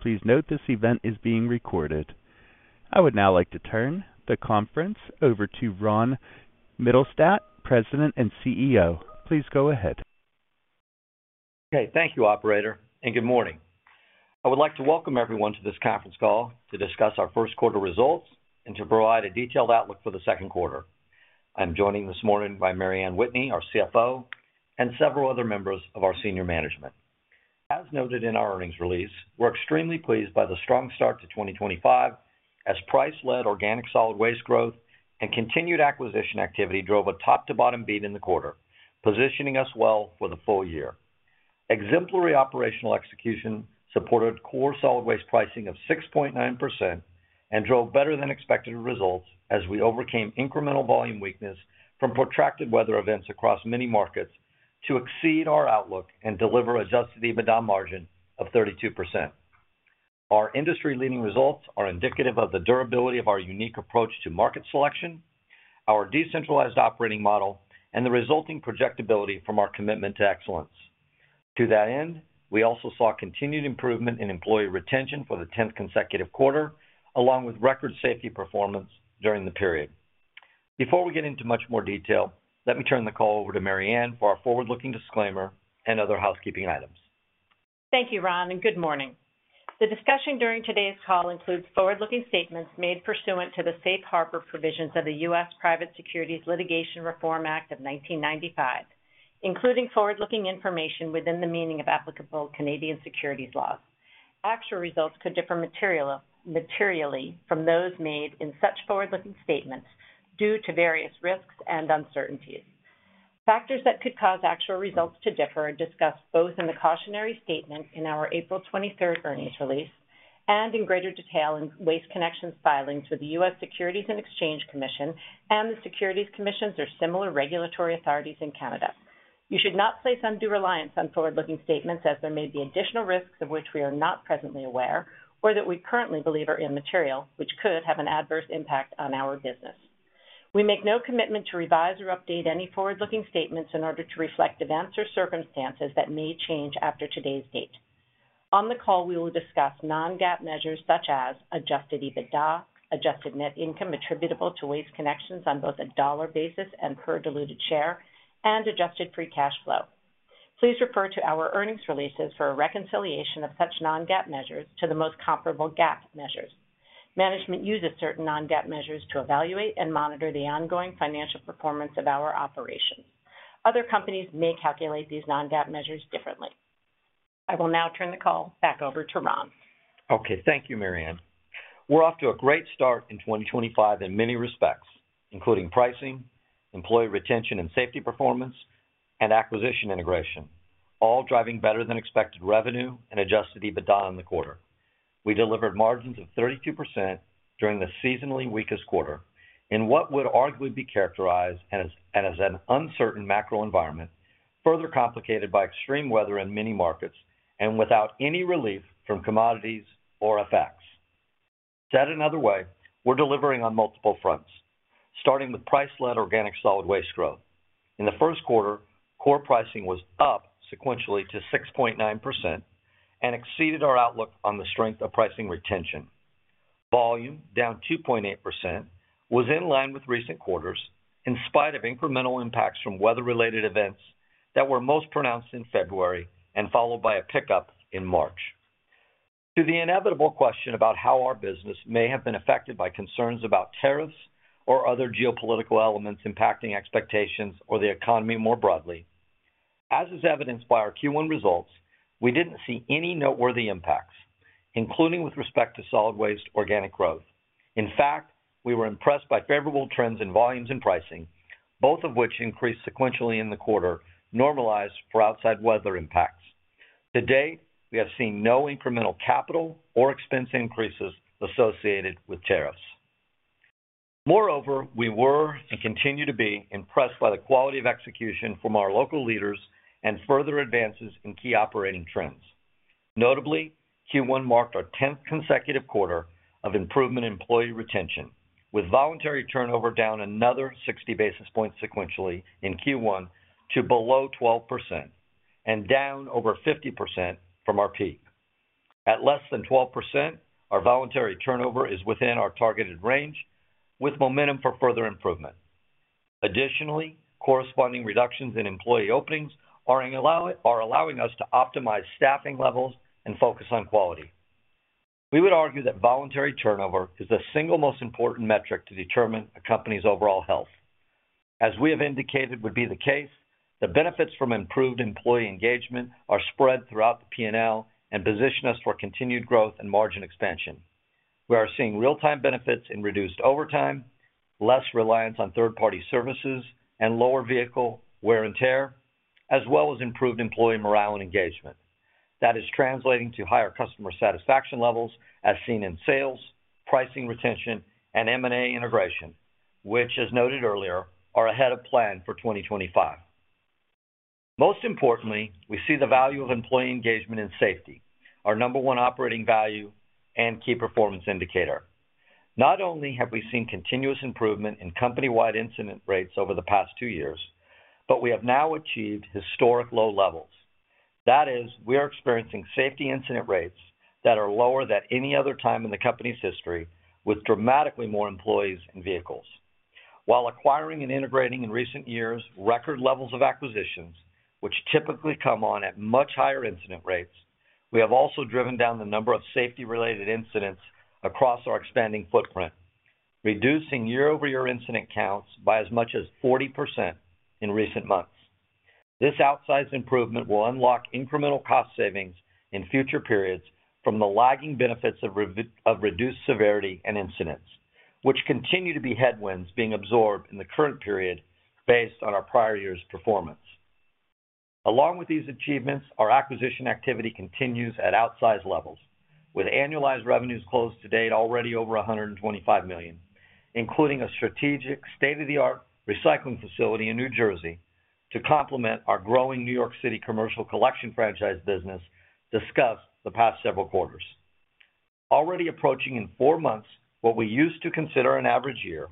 Please note this event is being recorded. I would now like to turn the conference over to Ron Mittelstaedt, President and CEO. Please go ahead. Okay. Thank you, Operator, and good morning. I would like to welcome everyone to this conference call to discuss our first quarter results and to provide a detailed outlook for the second quarter. I'm joined this morning by Mary Anne Whitney, our CFO, and several other members of our senior management. As noted in our earnings release, we're extremely pleased by the strong start to 2025 as price-led organic solid waste growth and continued acquisition activity drove a top-to-bottom beat in the quarter, positioning us well for the full year. Exemplary operational execution supported core solid waste pricing of 6.9% and drove better-than-expected results as we overcame incremental volume weakness from protracted weather events across many markets to exceed our outlook and deliver a justly-about-down margin of 32%. Our industry-leading results are indicative of the durability of our unique approach to market selection, our decentralized operating model, and the resulting projectability from our commitment to excellence. To that end, we also saw continued improvement in employee retention for the 10th consecutive quarter, along with record-safety performance during the period. Before we get into much more detail, let me turn the call over to Mary Ann for our forward-looking disclaimer and other housekeeping items. Thank you, Ron, and good morning. The discussion during today's call includes forward-looking statements made pursuant to the Safe Harbor provisions of the U.S. Private Securities Litigation Reform Act of 1995, including forward-looking information within the meaning of applicable Canadian securities laws. Actual results could differ materially from those made in such forward-looking statements due to various risks and uncertainties. Factors that could cause actual results to differ are discussed both in the cautionary statement in our April 23rd earnings release and in greater detail in Waste Connections filings with the U.S. Securities and Exchange Commission and the securities commissions or similar regulatory authorities in Canada. You should not place undue reliance on forward-looking statements as there may be additional risks of which we are not presently aware or that we currently believe are immaterial, which could have an adverse impact on our business. We make no commitment to revise or update any forward-looking statements in order to reflect events or circumstances that may change after today's date. On the call, we will discuss non-GAAP measures such as adjusted EBITDA, adjusted net income attributable to Waste Connections on both a dollar basis and per diluted share, and adjusted free cash flow. Please refer to our earnings releases for a reconciliation of such non-GAAP measures to the most comparable GAAP measures. Management uses certain non-GAAP measures to evaluate and monitor the ongoing financial performance of our operations. Other companies may calculate these non-GAAP measures differently. I will now turn the call back over to Ron. Okay. Thank you, Mary Ann. We're off to a great start in 2025 in many respects, including pricing, employee retention and safety performance, and acquisition integration, all driving better-than-expected revenue and adjusted EBITDA in the quarter. We delivered margins of 32% during the seasonally weakest quarter in what would arguably be characterized as an uncertain macro environment, further complicated by extreme weather in many markets and without any relief from commodities or effects. Said another way, we're delivering on multiple fronts, starting with price-led organic solid waste growth. In the first quarter, core pricing was up sequentially to 6.9% and exceeded our outlook on the strength of pricing retention. Volume, down 2.8%, was in line with recent quarters in spite of incremental impacts from weather-related events that were most pronounced in February and followed by a pickup in March. To the inevitable question about how our business may have been affected by concerns about tariffs or other geopolitical elements impacting expectations or the economy more broadly, as is evidenced by our Q1 results, we did not see any noteworthy impacts, including with respect to solid waste organic growth. In fact, we were impressed by favorable trends in volumes and pricing, both of which increased sequentially in the quarter, normalized for outside weather impacts. To date, we have seen no incremental capital or expense increases associated with tariffs. Moreover, we were and continue to be impressed by the quality of execution from our local leaders and further advances in key operating trends. Notably, Q1 marked our 10th consecutive quarter of improvement in employee retention, with voluntary turnover down another 60 basis points sequentially in Q1 to below 12% and down over 50% from our peak. At less than 12%, our voluntary turnover is within our targeted range, with momentum for further improvement. Additionally, corresponding reductions in employee openings are allowing us to optimize staffing levels and focus on quality. We would argue that voluntary turnover is the single most important metric to determine a company's overall health. As we have indicated would be the case, the benefits from improved employee engagement are spread throughout the P&L and position us for continued growth and margin expansion. We are seeing real-time benefits in reduced overtime, less reliance on third-party services, and lower vehicle wear and tear, as well as improved employee morale and engagement. That is translating to higher customer satisfaction levels as seen in sales, pricing retention, and M&A integration, which, as noted earlier, are ahead of plan for 2025. Most importantly, we see the value of employee engagement in safety, our number one operating value and key performance indicator. Not only have we seen continuous improvement in company-wide incident rates over the past two years, but we have now achieved historic low levels. That is, we are experiencing safety incident rates that are lower than any other time in the company's history, with dramatically more employees and vehicles. While acquiring and integrating in recent years record levels of acquisitions, which typically come on at much higher incident rates, we have also driven down the number of safety-related incidents across our expanding footprint, reducing year-over-year incident counts by as much as 40% in recent months. This outsized improvement will unlock incremental cost savings in future periods from the lagging benefits of reduced severity and incidents, which continue to be headwinds being absorbed in the current period based on our prior year's performance. Along with these achievements, our acquisition activity continues at outsized levels, with annualized revenues closed to date already over $125 million, including a strategic state-of-the-art recycling facility in New Jersey to complement our growing New York City commercial collection franchise business discussed the past several quarters. Already approaching in four months what we used to consider an average year,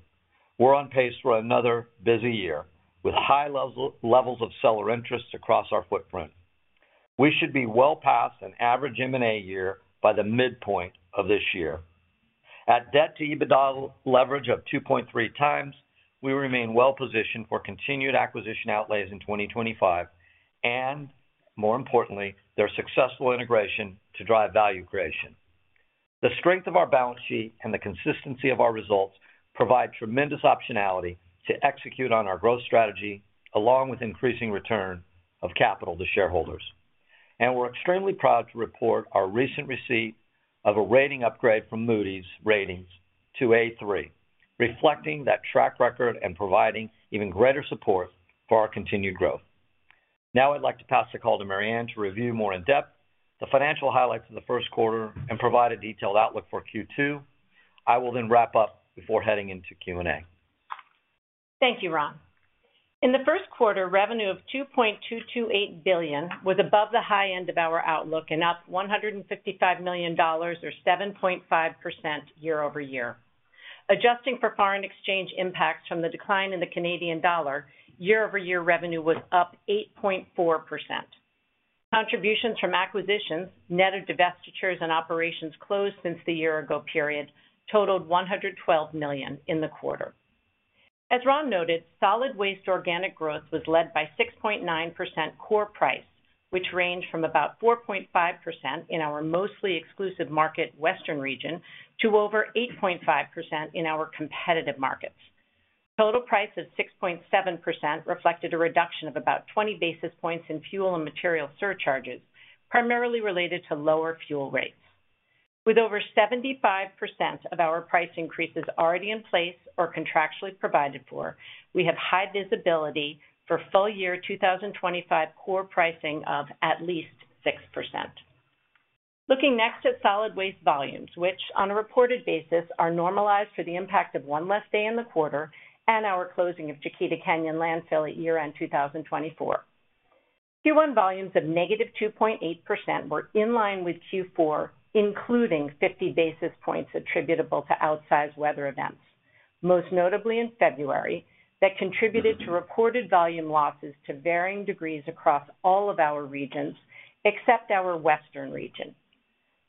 we're on pace for another busy year with high levels of seller interest across our footprint. We should be well past an average M&A year by the midpoint of this year. At debt-to-EBITDA leverage of 2.3 times, we remain well-positioned for continued acquisition outlays in 2025 and, more importantly, their successful integration to drive value creation. The strength of our balance sheet and the consistency of our results provide tremendous optionality to execute on our growth strategy along with increasing return of capital to shareholders. We are extremely proud to report our recent receipt of a rating upgrade from Moody's ratings to A3, reflecting that track record and providing even greater support for our continued growth. Now I'd like to pass the call to Mary Anne to review more in depth the financial highlights of the first quarter and provide a detailed outlook for Q2. I will then wrap up before heading into Q&A. Thank you, Ron. In the first quarter, revenue of $2.228 billion was above the high end of our outlook and up $155 million or 7.5% year-over-year. Adjusting for foreign exchange impacts from the decline in the Canadian dollar, year-over-year revenue was up 8.4%. Contributions from acquisitions, net of divestitures and operations closed since the year-ago period, totaled $112 million in the quarter. As Ron noted, solid waste organic growth was led by 6.9% core price, which ranged from about 4.5% in our mostly exclusive market, Western Region, to over 8.5% in our competitive markets. Total price of 6.7% reflected a reduction of about 20 basis points in fuel and material surcharges, primarily related to lower fuel rates. With over 75% of our price increases already in place or contractually provided for, we have high visibility for full-year 2025 core pricing of at least 6%. Looking next at solid waste volumes, which on a reported basis are normalized for the impact of one less day in the quarter and our closing of Chiquita Canyon landfill at year-end 2024. Q1 volumes of negative 2.8% were in line with Q4, including 50 basis points attributable to outsized weather events, most notably in February, that contributed to reported volume losses to varying degrees across all of our regions except our Western Region.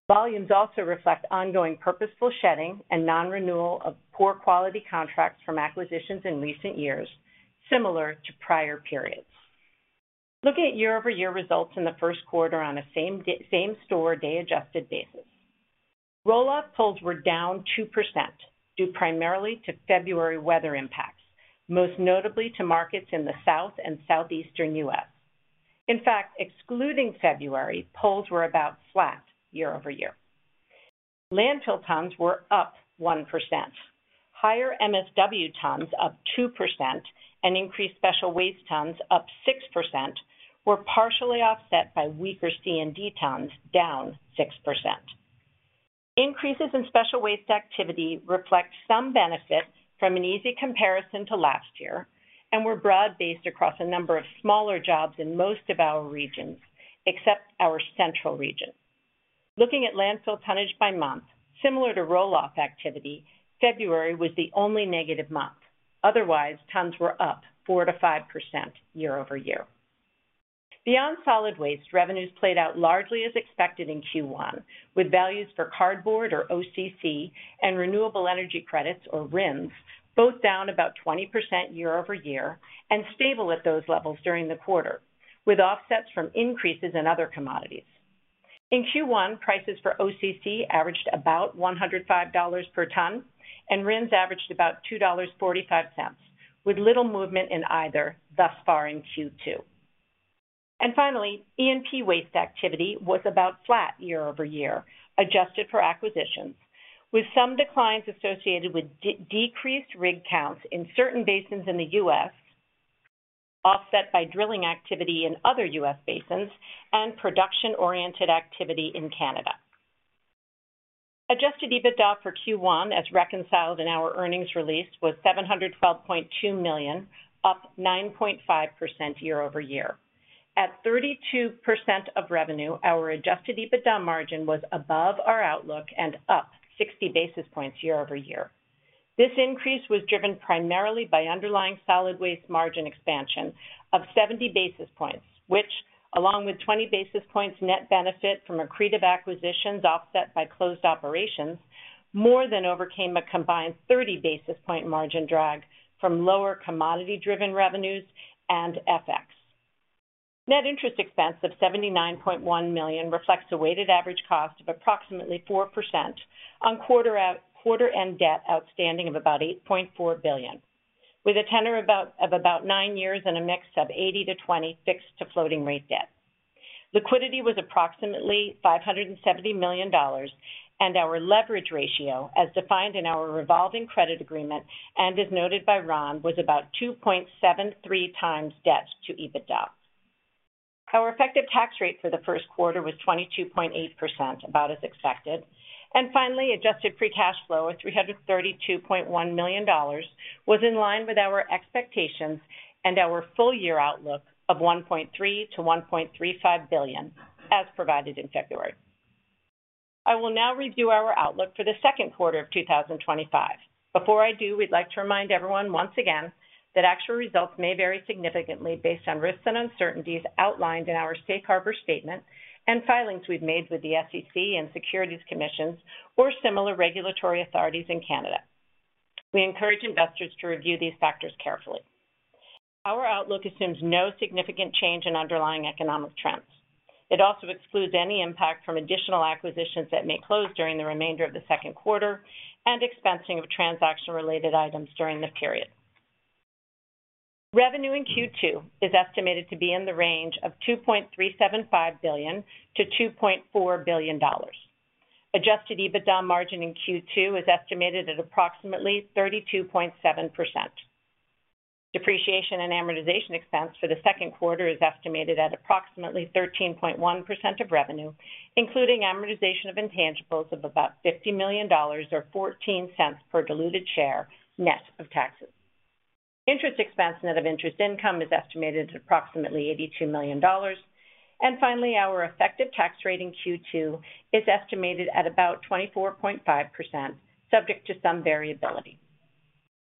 Volumes also reflect ongoing purposeful shedding and non-renewal of poor-quality contracts from acquisitions in recent years, similar to prior periods. Looking at year-over-year results in the first quarter on a same-store day-adjusted basis, roll-off pulls were down 2% due primarily to February weather impacts, most notably to markets in the South and Southeastern U.S. In fact, excluding February, pulls were about flat year-over-year. Landfill tons were up 1%. Higher MSW tons up 2% and increased special waste tons up 6% were partially offset by weaker C&D tons down 6%. Increases in special waste activity reflect some benefit from an easy comparison to last year and were broad-based across a number of smaller jobs in most of our regions, except our Central Region. Looking at landfill tonnage by month, similar to roll-off activity, February was the only negative month. Otherwise, tons were up 4-5% year-over-year. Beyond solid waste, revenues played out largely as expected in Q1, with values for cardboard or OCC and renewable energy credits or RINs both down about 20% year-over-year and stable at those levels during the quarter, with offsets from increases in other commodities. In Q1, prices for OCC averaged about $105 per ton, and RINs averaged about $2.45, with little movement in either thus far in Q2. E&P waste activity was about flat year-over-year, adjusted for acquisitions, with some declines associated with decreased rig counts in certain basins in the U.S., offset by drilling activity in other U.S. basins, and production-oriented activity in Canada. Adjusted EBITDA for Q1, as reconciled in our earnings release, was $712.2 million, up 9.5% year-over-year. At 32% of revenue, our adjusted EBITDA margin was above our outlook and up 60 basis points year-over-year. This increase was driven primarily by underlying solid waste margin expansion of 70 basis points, which, along with 20 basis points net benefit from accretive acquisitions offset by closed operations, more than overcame a combined 30 basis point margin drag from lower commodity-driven revenues and FX. Net interest expense of $79.1 million reflects a weighted average cost of approximately 4% on quarter-end debt outstanding of about $8.4 billion, with a tenor of about nine years and a mix of 80-20 fixed to floating rate debt. Liquidity was approximately $570 million, and our leverage ratio, as defined in our revolving credit agreement and as noted by Ron, was about 2.73 times debt to EBITDA. Our effective tax rate for the first quarter was 22.8%, about as expected. Finally, adjusted free cash flow of $332.1 million was in line with our expectations and our full-year outlook of $1.3 billion-$1.35 billion, as provided in February. I will now review our outlook for the second quarter of 2025. Before I do, we'd like to remind everyone once again that actual results may vary significantly based on risks and uncertainties outlined in our Safe Harbor statement and filings we've made with the SEC and Securities Commissions or similar regulatory authorities in Canada. We encourage investors to review these factors carefully. Our outlook assumes no significant change in underlying economic trends. It also excludes any impact from additional acquisitions that may close during the remainder of the second quarter and expensing of transaction-related items during the period. Revenue in Q2 is estimated to be in the range of $2.375 billion-$2.4 billion. Adjusted EBITDA margin in Q2 is estimated at approximately 32.7%. Depreciation and amortization expense for the second quarter is estimated at approximately 13.1% of revenue, including amortization of intangibles of about $50 million or $0.14 per diluted share net of taxes. Interest expense net of interest income is estimated at approximately $82 million. Our effective tax rate in Q2 is estimated at about 24.5%, subject to some variability.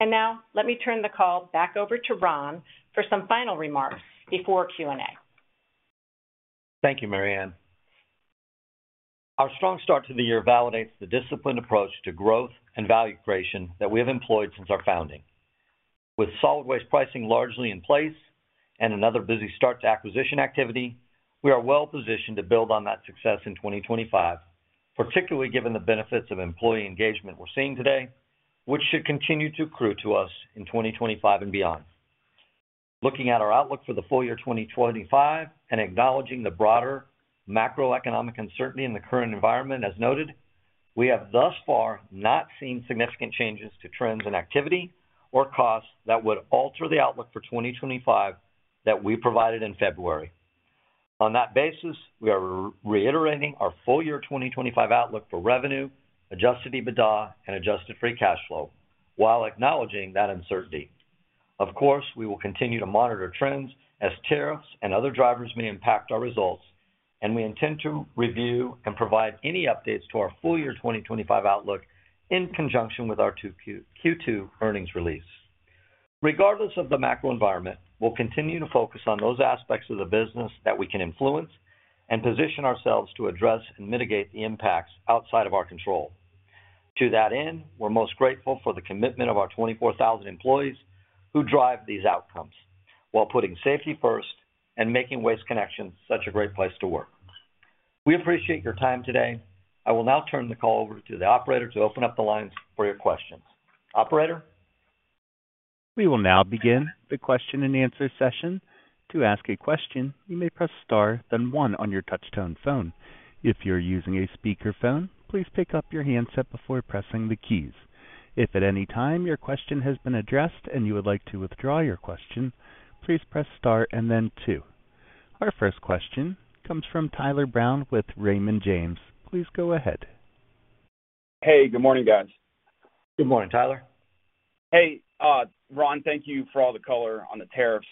Now let me turn the call back over to Ron for some final remarks before Q&A. Thank you, Mary Anne. Our strong start to the year validates the disciplined approach to growth and value creation that we have employed since our founding. With solid waste pricing largely in place and another busy start to acquisition activity, we are well-positioned to build on that success in 2025, particularly given the benefits of employee engagement we're seeing today, which should continue to accrue to us in 2025 and beyond. Looking at our outlook for the full year 2025 and acknowledging the broader macroeconomic uncertainty in the current environment, as noted, we have thus far not seen significant changes to trends in activity or costs that would alter the outlook for 2025 that we provided in February. On that basis, we are reiterating our full-year 2025 outlook for revenue, adjusted EBITDA, and adjusted free cash flow, while acknowledging that uncertainty. Of course, we will continue to monitor trends as tariffs and other drivers may impact our results, and we intend to review and provide any updates to our full-year 2025 outlook in conjunction with our Q2 earnings release. Regardless of the macro environment, we will continue to focus on those aspects of the business that we can influence and position ourselves to address and mitigate the impacts outside of our control. To that end, we are most grateful for the commitment of our 24,000 employees who drive these outcomes while putting safety first and making Waste Connections such a great place to work. We appreciate your time today. I will now turn the call over to the operator to open up the lines for your questions. Operator. We will now begin the question and answer session. To ask a question, you may press Star, then 1 on your touch-tone phone. If you're using a speakerphone, please pick up your handset before pressing the keys. If at any time your question has been addressed and you would like to withdraw your question, please press Star and then 2. Our first question comes from Tyler Brown with Raymond James. Please go ahead. Hey, good morning, guys. Good morning, Tyler. Hey, Ron, thank you for all the color on the tariffs.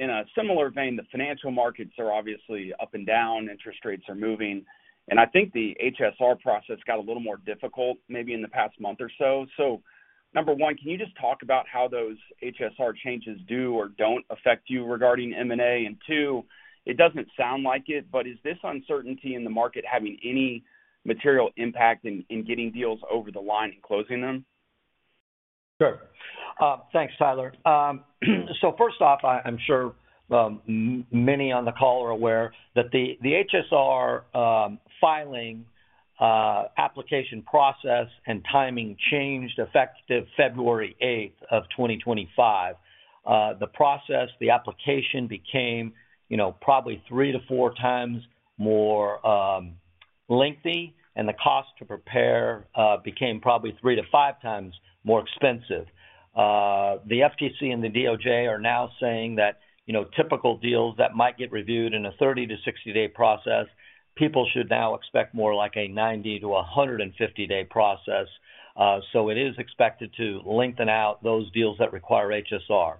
In a similar vein, the financial markets are obviously up and down. Interest rates are moving. I think the HSR process got a little more difficult maybe in the past month or so. Number one, can you just talk about how those HSR changes do or do not affect you regarding M&A? Two, it does not sound like it, but is this uncertainty in the market having any material impact in getting deals over the line and closing them? Sure. Thanks, Tyler. First off, I'm sure many on the call are aware that the HSR filing application process and timing changed effective February 8th of 2025. The process, the application became probably three to four times more lengthy, and the cost to prepare became probably three to five times more expensive. The FTC and the DOJ are now saying that typical deals that might get reviewed in a 30-60 day process, people should now expect more like a 90-150 day process. It is expected to lengthen out those deals that require HSR.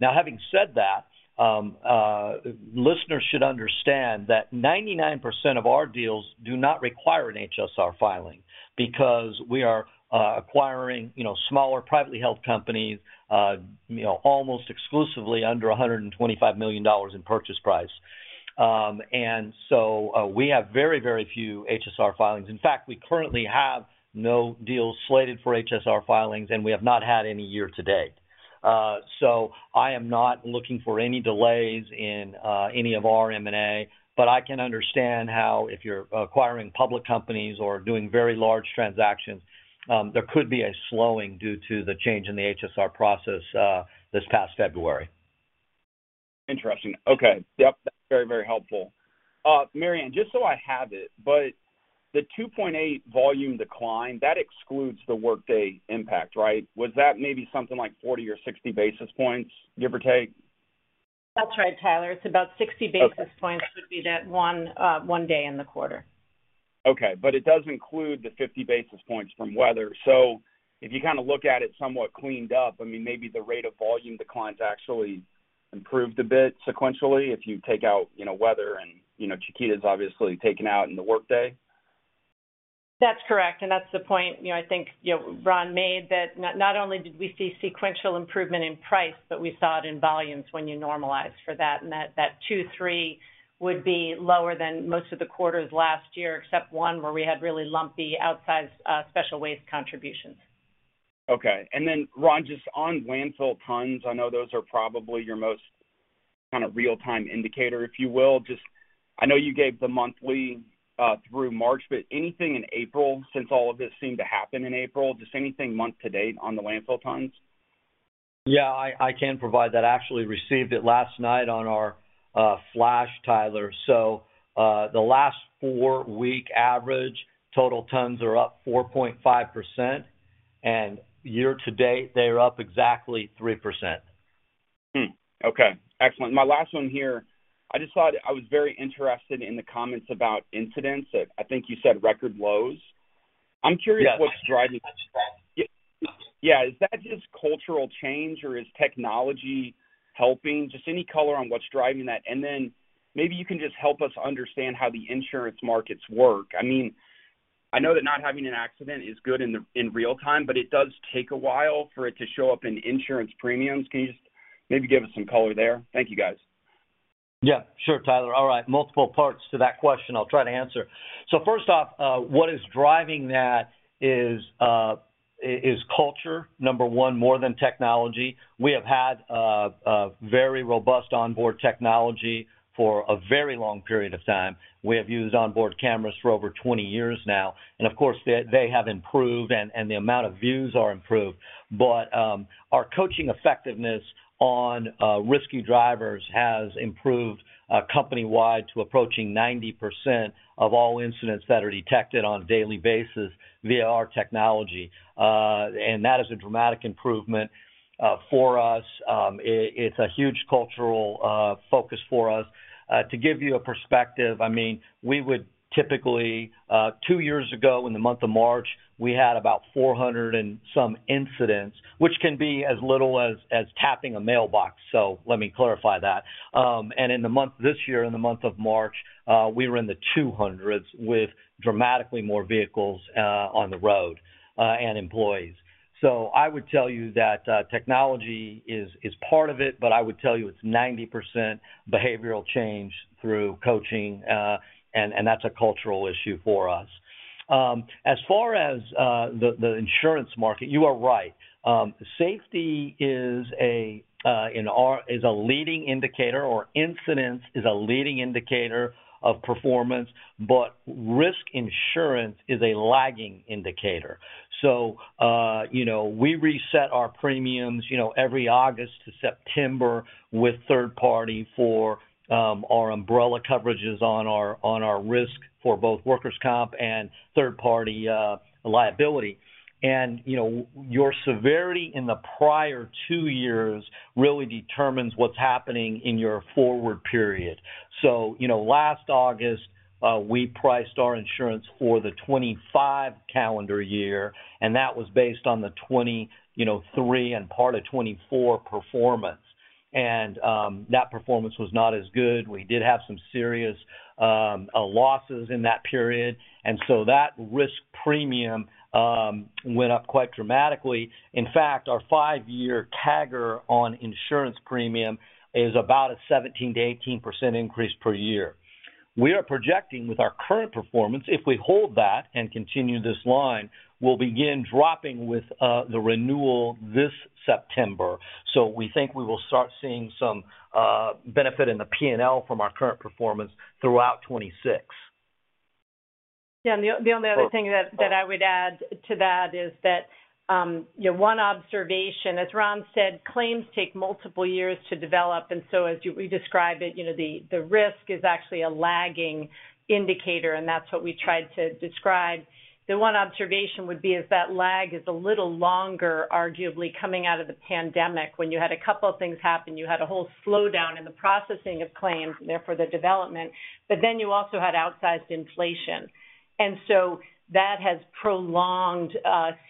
Now, having said that, listeners should understand that 99% of our deals do not require an HSR filing because we are acquiring smaller privately held companies almost exclusively under $125 million in purchase price. We have very, very few HSR filings. In fact, we currently have no deals slated for HSR filings, and we have not had any year to date. I am not looking for any delays in any of our M&A, but I can understand how if you're acquiring public companies or doing very large transactions, there could be a slowing due to the change in the HSR process this past February. Interesting. Okay. Yep. That's very, very helpful. Mary Anne, just so I have it, but the 2.8% volume decline, that excludes the workday impact, right? Was that maybe something like 40 or 60 basis points, give or take? That's right, Tyler. It's about 60 basis points would be that one day in the quarter. Okay. It does include the 50 basis points from weather. If you kind of look at it somewhat cleaned up, I mean, maybe the rate of volume declines actually improved a bit sequentially if you take out weather, and Chiquita is obviously taken out in the workday. That's correct. That is the point I think Ron made that not only did we see sequential improvement in price, but we saw it in volumes when you normalize for that. That two, three would be lower than most of the quarters last year, except one where we had really lumpy outsized special waste contributions. Okay. Ron, just on landfill tons, I know those are probably your most kind of real-time indicator, if you will. I know you gave the monthly through March, but anything in April since all of this seemed to happen in April? Anything month-to-date on the landfill tons? Yeah, I can provide that. I actually received it last night on our flash, Tyler. The last four-week average total tons are up 4.5%, and year-to-date, they're up exactly 3%. Okay. Excellent. My last one here, I just thought I was very interested in the comments about incidents. I think you said record lows. I'm curious what's driving. Yes. Yeah. Is that just cultural change, or is technology helping? Just any color on what's driving that? Maybe you can just help us understand how the insurance markets work. I mean, I know that not having an accident is good in real time, but it does take a while for it to show up in insurance premiums. Can you just maybe give us some color there? Thank you, guys. Yeah. Sure, Tyler. All right. Multiple parts to that question. I'll try to answer. First off, what is driving that is culture, number one, more than technology. We have had very robust onboard technology for a very long period of time. We have used onboard cameras for over 20 years now. Of course, they have improved, and the amount of views are improved. Our coaching effectiveness on risky drivers has improved company-wide to approaching 90% of all incidents that are detected on a daily basis via our technology. That is a dramatic improvement for us. It's a huge cultural focus for us. To give you a perspective, I mean, we would typically two years ago in the month of March, we had about 400 and some incidents, which can be as little as tapping a mailbox. Let me clarify that. In the month of March this year, we were in the 200s with dramatically more vehicles on the road and employees. I would tell you that technology is part of it, but I would tell you it is 90% behavioral change through coaching, and that is a cultural issue for us. As far as the insurance market, you are right. Safety is a leading indicator, or incidents is a leading indicator of performance, but risk insurance is a lagging indicator. We reset our premiums every August to September with third-party for our umbrella coverages on our risk for both workers' comp and third-party liability. Your severity in the prior two years really determines what is happening in your forward period. Last August, we priced our insurance for the 2025 calendar year, and that was based on the 2023 and part of 2024 performance. That performance was not as good. We did have some serious losses in that period. That risk premium went up quite dramatically. In fact, our five-year CAGR on insurance premium is about a 17%-18% increase per year. We are projecting with our current performance, if we hold that and continue this line, we will begin dropping with the renewal this September. We think we will start seeing some benefit in the P&L from our current performance throughout 2026. Yeah. The only other thing that I would add to that is that one observation, as Ron said, claims take multiple years to develop. As we describe it, the risk is actually a lagging indicator, and that's what we tried to describe. The one observation would be is that lag is a little longer, arguably, coming out of the pandemic when you had a couple of things happen. You had a whole slowdown in the processing of claims, therefore the development. You also had outsized inflation. That has prolonged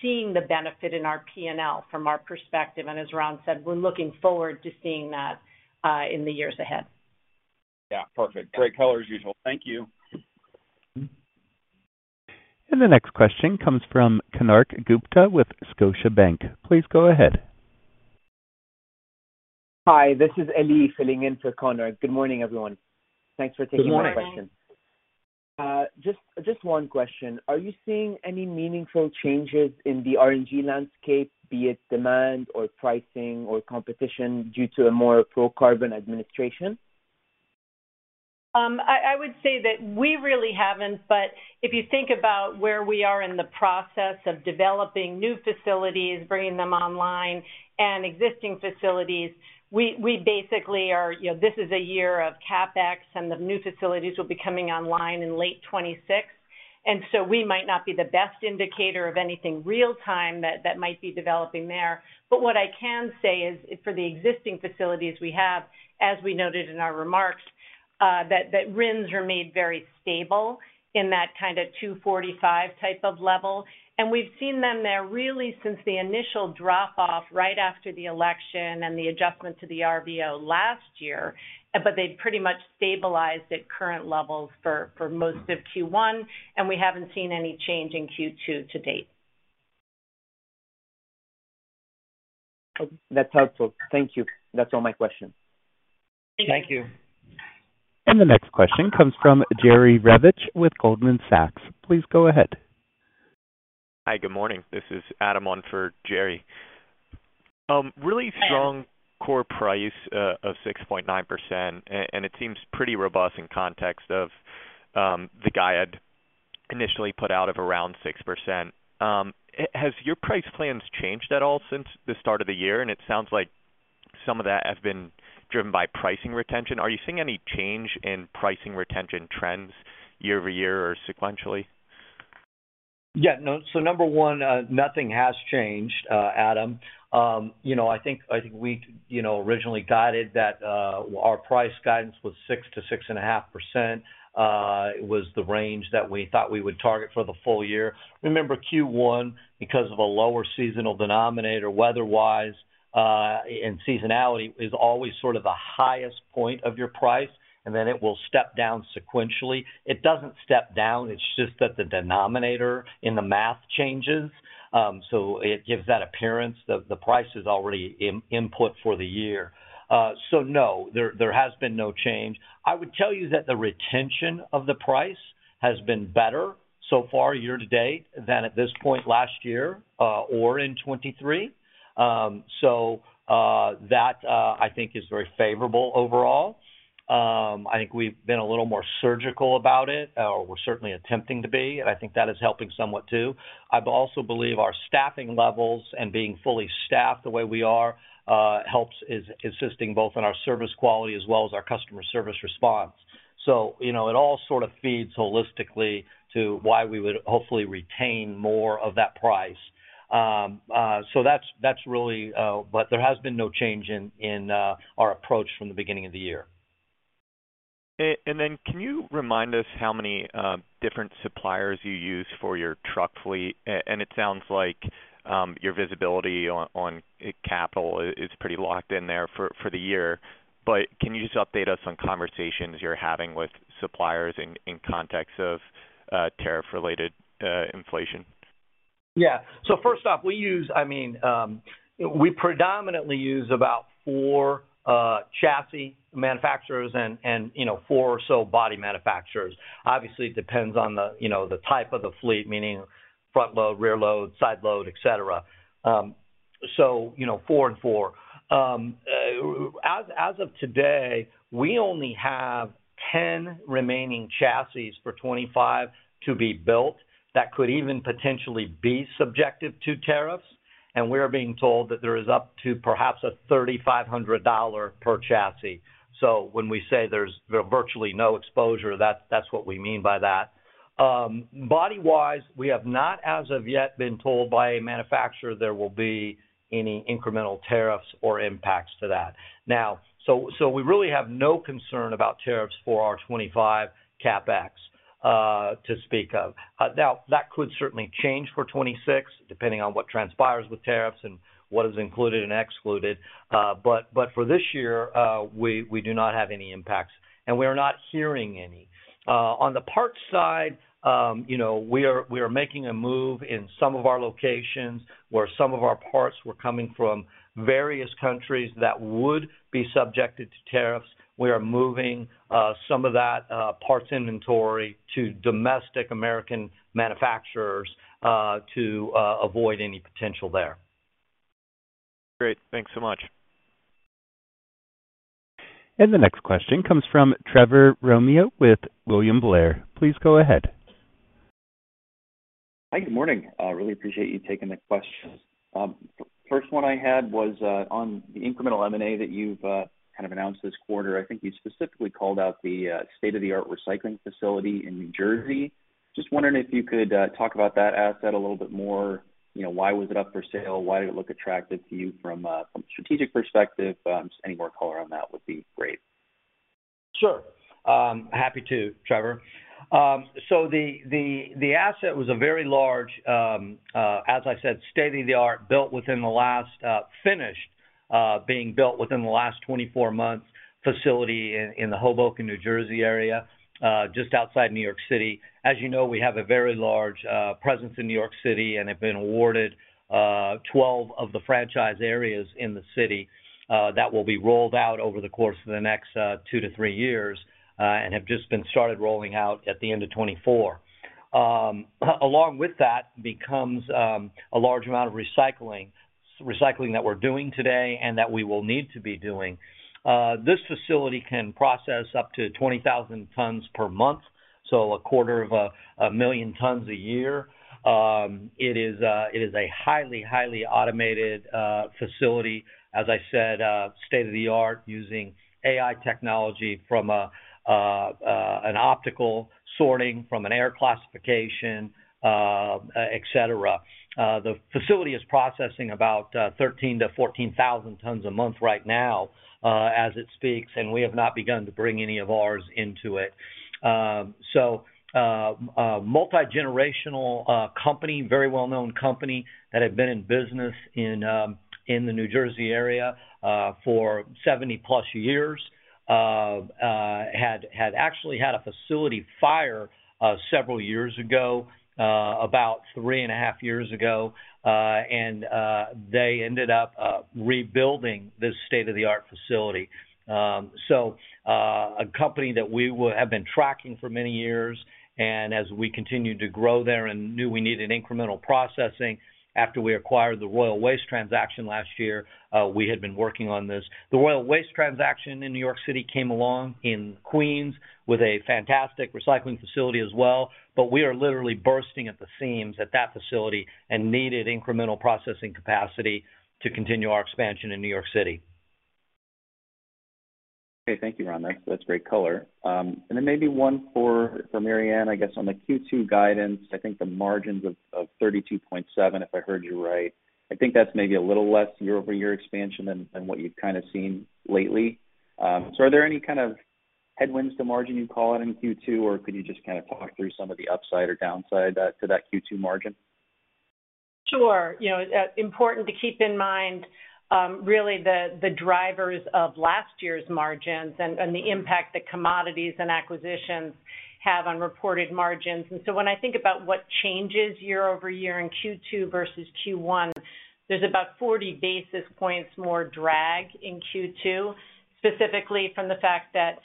seeing the benefit in our P&L from our perspective. As Ron said, we're looking forward to seeing that in the years ahead. Yeah. Perfect. Great color as usual. Thank you. The next question comes from Elie with Scotiabank. Please go ahead. Hi. This is Elie filling in for Connor. Good morning, everyone. Thanks for taking my question. Good morning. Just one question. Are you seeing any meaningful changes in the R&G landscape, be it demand or pricing or competition due to a more pro-carbon administration? I would say that we really have not. If you think about where we are in the process of developing new facilities, bringing them online, and existing facilities, we basically are, this is a year of CapEx, and the new facilities will be coming online in late 2026. We might not be the best indicator of anything real-time that might be developing there. What I can say is for the existing facilities we have, as we noted in our remarks, that RINs have remained very stable in that kind of $2.45 type of level. We have seen them there really since the initial drop-off right after the election and the adjustment to the RVO last year, but they have pretty much stabilized at current levels for most of Q1, and we have not seen any change in Q2 to date. That's helpful. Thank you. That's all my questions. Thank you. Thank you. The next question comes from Jerry Revich with Goldman Sachs. Please go ahead. Hi, good morning. This is Adam on for Jerry. Really strong core price of 6.9%, and it seems pretty robust in context of the guide initially put out of around 6%. Has your price plans changed at all since the start of the year? It sounds like some of that has been driven by pricing retention. Are you seeing any change in pricing retention trends year-over-year or sequentially? Yeah. Number one, nothing has changed, Adam. I think we originally guided that our price guidance was 6-6.5%. It was the range that we thought we would target for the full year. Remember, Q1, because of a lower seasonal denominator, weather-wise and seasonality is always sort of the highest point of your price, and then it will step down sequentially. It does not step down. It is just that the denominator in the math changes. It gives that appearance that the price is already input for the year. No, there has been no change. I would tell you that the retention of the price has been better so far year-to-date than at this point last year or in 2023. That, I think, is very favorable overall. I think we have been a little more surgical about it, or we are certainly attempting to be. I think that is helping somewhat too. I also believe our staffing levels and being fully staffed the way we are helps assisting both in our service quality as well as our customer service response. It all sort of feeds holistically to why we would hopefully retain more of that price. That is really what there has been no change in our approach from the beginning of the year. Can you remind us how many different suppliers you use for your truck fleet? It sounds like your visibility on capital is pretty locked in there for the year. Can you just update us on conversations you're having with suppliers in context of tariff-related inflation? Yeah. First off, we use, I mean, we predominantly use about four chassis manufacturers and four or so body manufacturers. Obviously, it depends on the type of the fleet, meaning front load, rear load, side load, etc. Four and four. As of today, we only have 10 remaining chassis for 2025 to be built that could even potentially be subject to tariffs. We are being told that there is up to perhaps a $3,500 per chassis. When we say there is virtually no exposure, that is what we mean by that. Body-wise, we have not as of yet been told by a manufacturer there will be any incremental tariffs or impacts to that. We really have no concern about tariffs for our 2025 CapEx to speak of. That could certainly change for 2026, depending on what transpires with tariffs and what is included and excluded. For this year, we do not have any impacts, and we are not hearing any. On the parts side, we are making a move in some of our locations where some of our parts were coming from various countries that would be subjected to tariffs. We are moving some of that parts inventory to domestic American manufacturers to avoid any potential there. Great. Thanks so much. The next question comes from Trevor Romeo with William Blair. Please go ahead. Hi, good morning. Really appreciate you taking the questions. First one I had was on the incremental M&A that you've kind of announced this quarter. I think you specifically called out the state-of-the-art recycling facility in New Jersey. Just wondering if you could talk about that asset a little bit more. Why was it up for sale? Why did it look attractive to you from a strategic perspective? Just any more color on that would be great. Sure. Happy to, Trevor. The asset was a very large, as I said, state-of-the-art, built within the last, finished being built within the last 24 months, facility in the Hoboken, New Jersey area, just outside New York City. As you know, we have a very large presence in New York City and have been awarded 12 of the franchise areas in the city that will be rolled out over the course of the next two to three years and have just started rolling out at the end of 2024. Along with that comes a large amount of recycling that we are doing today and that we will need to be doing. This facility can process up to 20,000 tons per month, so a quarter of a million tons a year. It is a highly, highly automated facility. As I said, state-of-the-art using AI technology from an optical sorting, from an air classification, etc. The facility is processing about 13,000-14,000 tons a month right now as it speaks, and we have not begun to bring any of ours into it. Multi-generational company, very well-known company that had been in business in the New Jersey area for 70-plus years, had actually had a facility fire several years ago, about three and a half years ago, and they ended up rebuilding this state-of-the-art facility. A company that we have been tracking for many years, and as we continued to grow there and knew we needed incremental processing after we acquired the Royal Waste transaction last year, we had been working on this. The Royal Waste transaction in New York City came along in Queens with a fantastic recycling facility as well, but we are literally bursting at the seams at that facility and needed incremental processing capacity to continue our expansion in New York City. Okay. Thank you, Ron. That's great color. Maybe one for Mary Anne, I guess on the Q2 guidance, I think the margins of 32.7%, if I heard you right. I think that's maybe a little less year-over-year expansion than what you've kind of seen lately. Are there any kind of headwinds to margin, you call it, in Q2, or could you just kind of talk through some of the upside or downside to that Q2 margin? Sure. Important to keep in mind really the drivers of last year's margins and the impact that commodities and acquisitions have on reported margins. When I think about what changes year-over-year in Q2 versus Q1, there is about 40 basis points more drag in Q2, specifically from the fact that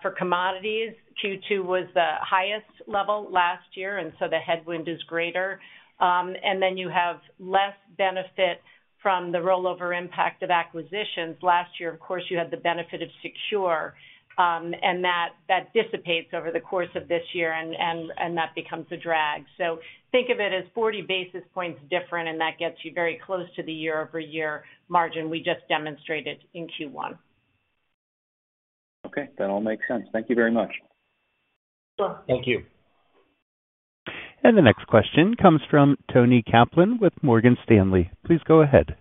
for commodities, Q2 was the highest level last year, and the headwind is greater. You have less benefit from the rollover impact of acquisitions. Last year, of course, you had the benefit of secure, and that dissipates over the course of this year, and that becomes a drag. Think of it as 40 basis points different, and that gets you very close to the year-over-year margin we just demonstrated in Q1. Okay. That all makes sense. Thank you very much. Sure. Thank you. The next question comes from Tony Kaplan with Morgan Stanley. Please go ahead.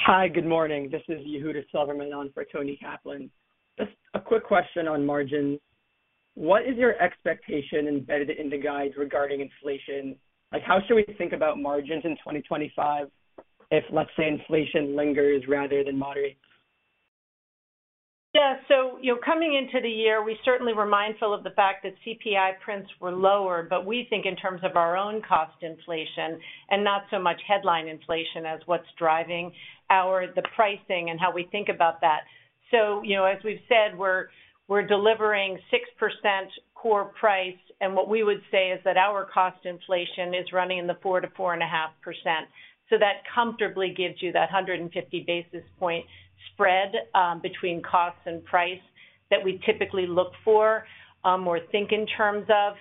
Hi, good morning. This is Yehuda Silverman on for Tony Kaplan. Just a quick question on margins. What is your expectation embedded in the guide regarding inflation? How should we think about margins in 2025 if, let's say, inflation lingers rather than moderates? Yeah. Coming into the year, we certainly were mindful of the fact that CPI prints were lower, but we think in terms of our own cost inflation and not so much headline inflation as what is driving the pricing and how we think about that. As we have said, we are delivering 6% core price, and what we would say is that our cost inflation is running in the 4-4.5% range. That comfortably gives you that 150 basis point spread between costs and price that we typically look for or think in terms of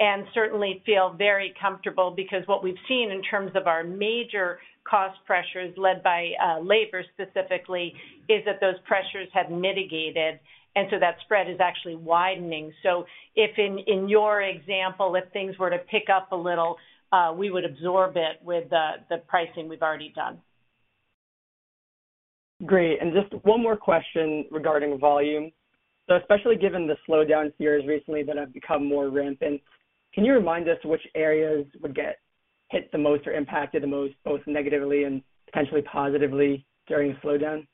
and certainly feel very comfortable because what we have seen in terms of our major cost pressures led by labor specifically is that those pressures have mitigated, and that spread is actually widening. In your example, if things were to pick up a little, we would absorb it with the pricing we have already done. Great. Just one more question regarding volume. Especially given the slowdowns here as recently that have become more rampant, can you remind us which areas would get hit the most or impacted the most, both negatively and potentially positively during the slowdown?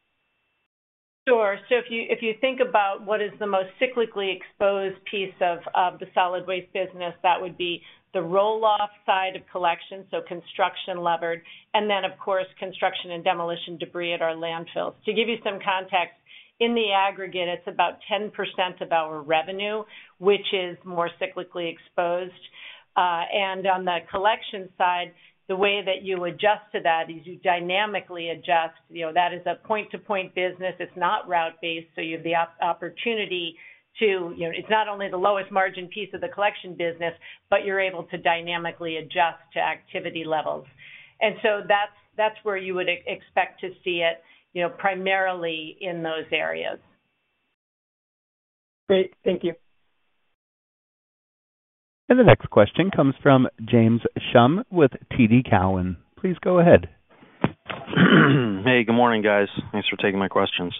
Sure. If you think about what is the most cyclically exposed piece of the solid waste business, that would be the roll-off side of collection, so construction levered, and then, of course, construction and demolition debris at our landfills. To give you some context, in the aggregate, it is about 10% of our revenue, which is more cyclically exposed. On the collection side, the way that you adjust to that is you dynamically adjust. That is a point-to-point business. It is not route-based, so you have the opportunity to, it is not only the lowest margin piece of the collection business, but you are able to dynamically adjust to activity levels. That is where you would expect to see it primarily in those areas. Great. Thank you. The next question comes from James Shum with TD Cowen. Please go ahead. Hey, good morning, guys. Thanks for taking my questions.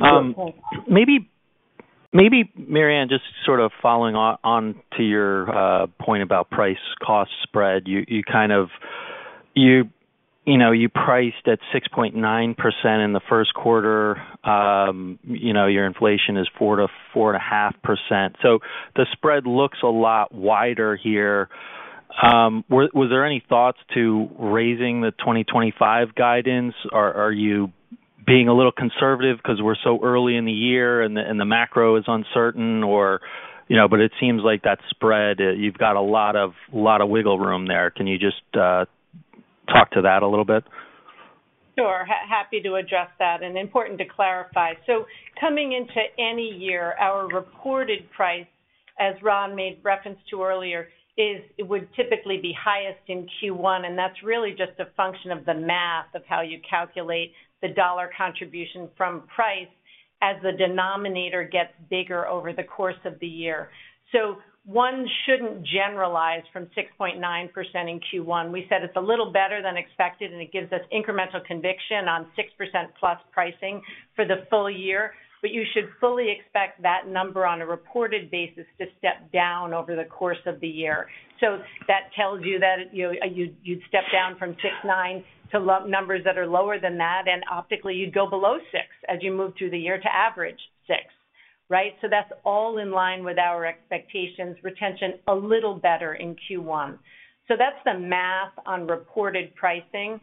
Sounds good. Maybe Mary Anne, just sort of following on to your point about price-cost spread, you kind of you priced at 6.9% in the first quarter. Your inflation is 4-4.5%. The spread looks a lot wider here. Was there any thoughts to raising the 2025 guidance? Are you being a little conservative because we're so early in the year and the macro is uncertain? It seems like that spread, you've got a lot of wiggle room there. Can you just talk to that a little bit? Sure. Happy to address that and important to clarify. Coming into any year, our reported price, as Ron made reference to earlier, would typically be highest in Q1, and that's really just a function of the math of how you calculate the dollar contribution from price as the denominator gets bigger over the course of the year. One shouldn't generalize from 6.9% in Q1. We said it's a little better than expected, and it gives us incremental conviction on 6% plus pricing for the full year. You should fully expect that number on a reported basis to step down over the course of the year. That tells you that you'd step down from 6.9 to numbers that are lower than that, and optically, you'd go below 6 as you move through the year to average 6, right? That is all in line with our expectations, retention a little better in Q1. That is the math on reported pricing.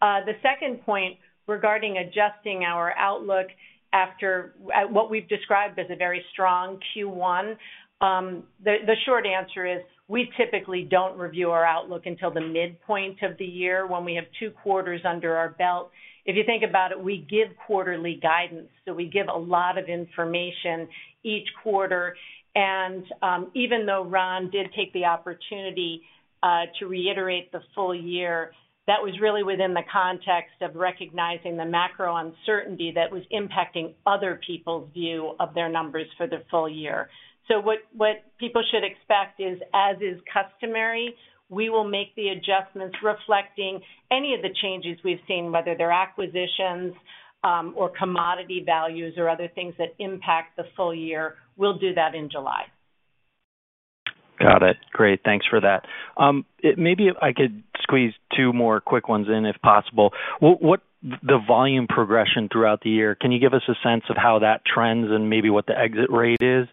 The second point regarding adjusting our outlook after what we have described as a very strong Q1, the short answer is we typically do not review our outlook until the midpoint of the year when we have two quarters under our belt. If you think about it, we give quarterly guidance, so we give a lot of information each quarter. Even though Ron did take the opportunity to reiterate the full year, that was really within the context of recognizing the macro uncertainty that was impacting other people's view of their numbers for the full year. What people should expect is, as is customary, we will make the adjustments reflecting any of the changes we've seen, whether they're acquisitions or commodity values or other things that impact the full year. We'll do that in July. Got it. Great. Thanks for that. Maybe I could squeeze two more quick ones in if possible. The volume progression throughout the year, can you give us a sense of how that trends and maybe what the exit rate is?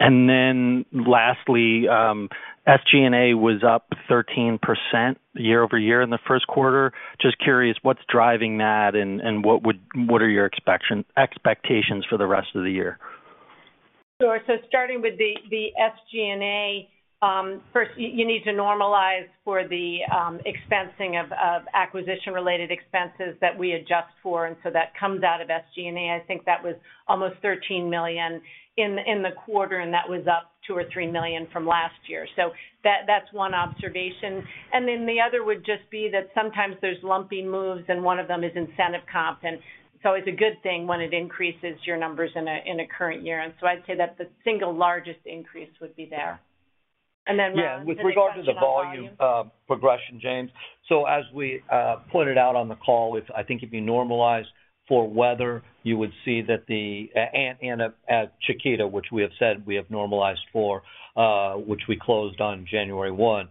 Lastly, SG&A was up 13% year-over-year in the first quarter. Just curious, what's driving that, and what are your expectations for the rest of the year? Sure. Starting with the SG&A, first, you need to normalize for the expensing of acquisition-related expenses that we adjust for, and that comes out of SG&A. I think that was almost $13 million in the quarter, and that was up $2 million or $3 million from last year. That is one observation. The other would just be that sometimes there are lumpy moves, and one of them is incentive comp. It is always a good thing when it increases your numbers in a current year. I would say that the single largest increase would be there. We will adjust. Yeah. With regard to the volume progression, James, as we pointed out on the call, I think if you normalize for weather, you would see that and at Chiquita, which we have said we have normalized for, which we closed on January 1,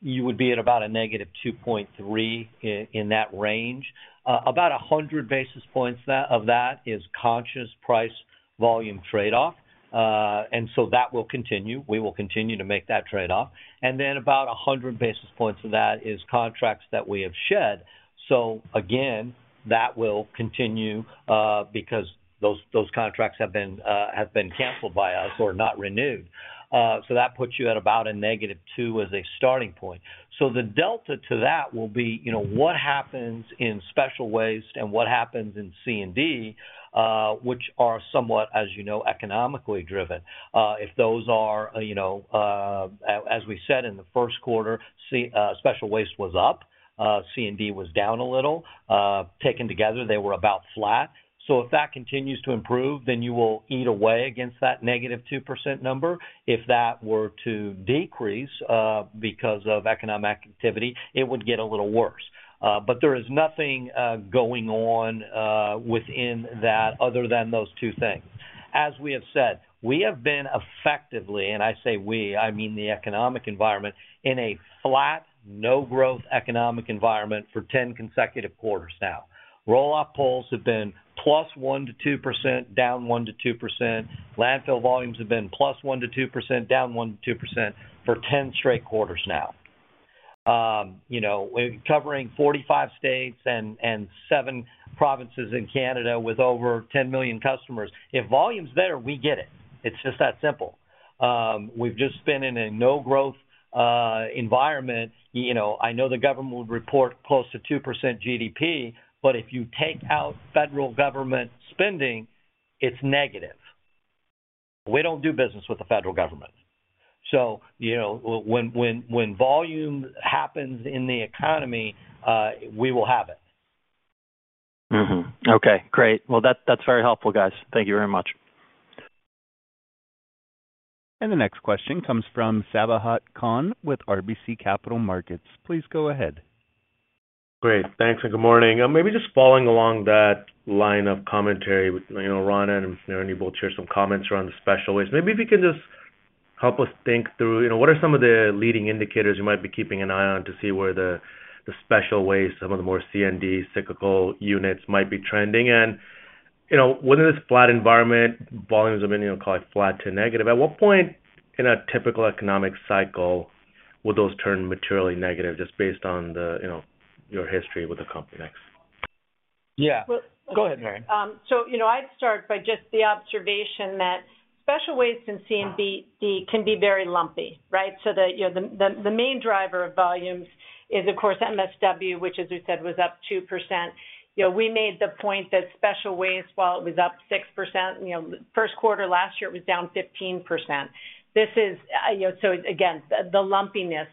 you would be at about a negative 2.3 in that range. About 100 basis points of that is conscious price-volume trade-off, and that will continue. We will continue to make that trade-off. Then about 100 basis points of that is contracts that we have shed. Again, that will continue because those contracts have been canceled by us or not renewed. That puts you at about a negative 2 as a starting point. The delta to that will be what happens in special waste and what happens in C&D, which are somewhat, as you know, economically driven. If those are, as we said in the first quarter, special waste was up, C&D was down a little. Taken together, they were about flat. If that continues to improve, then you will eat away against that negative 2% number. If that were to decrease because of economic activity, it would get a little worse. There is nothing going on within that other than those two things. As we have said, we have been effectively—I say we, I mean the economic environment—in a flat, no-growth economic environment for 10 consecutive quarters now. Roll-off pulls have been plus 1-2%, down 1-2%. Landfill volumes have been plus 1-2%, down 1-2% for 10 straight quarters now. We're covering 45 states and 7 provinces in Canada with over 10 million customers. If volume's there, we get it. It's just that simple. We've just been in a no-growth environment. I know the government would report close to 2% GDP, but if you take out federal government spending, it's negative. We don't do business with the federal government. When volume happens in the economy, we will have it. Okay. Great. That is very helpful, guys. Thank you very much. The next question comes from Sabahat Khan with RBC Capital Markets. Please go ahead. Great. Thanks and good morning. Maybe just following along that line of commentary, Ron and Mary, you both shared some comments around the special waste. Maybe if you can just help us think through what are some of the leading indicators you might be keeping an eye on to see where the special waste, some of the more C&D cyclical units might be trending. Within this flat environment, volumes have been called flat to negative. At what point in a typical economic cycle would those turn materially negative just based on your history with the company? Yeah. Go ahead, Mary. I'd start by just the observation that special waste and C&D can be very lumpy, right? The main driver of volumes is, of course, MSW, which, as we said, was up 2%. We made the point that special waste, while it was up 6%, first quarter last year, it was down 15%. This is, again, the lumpiness.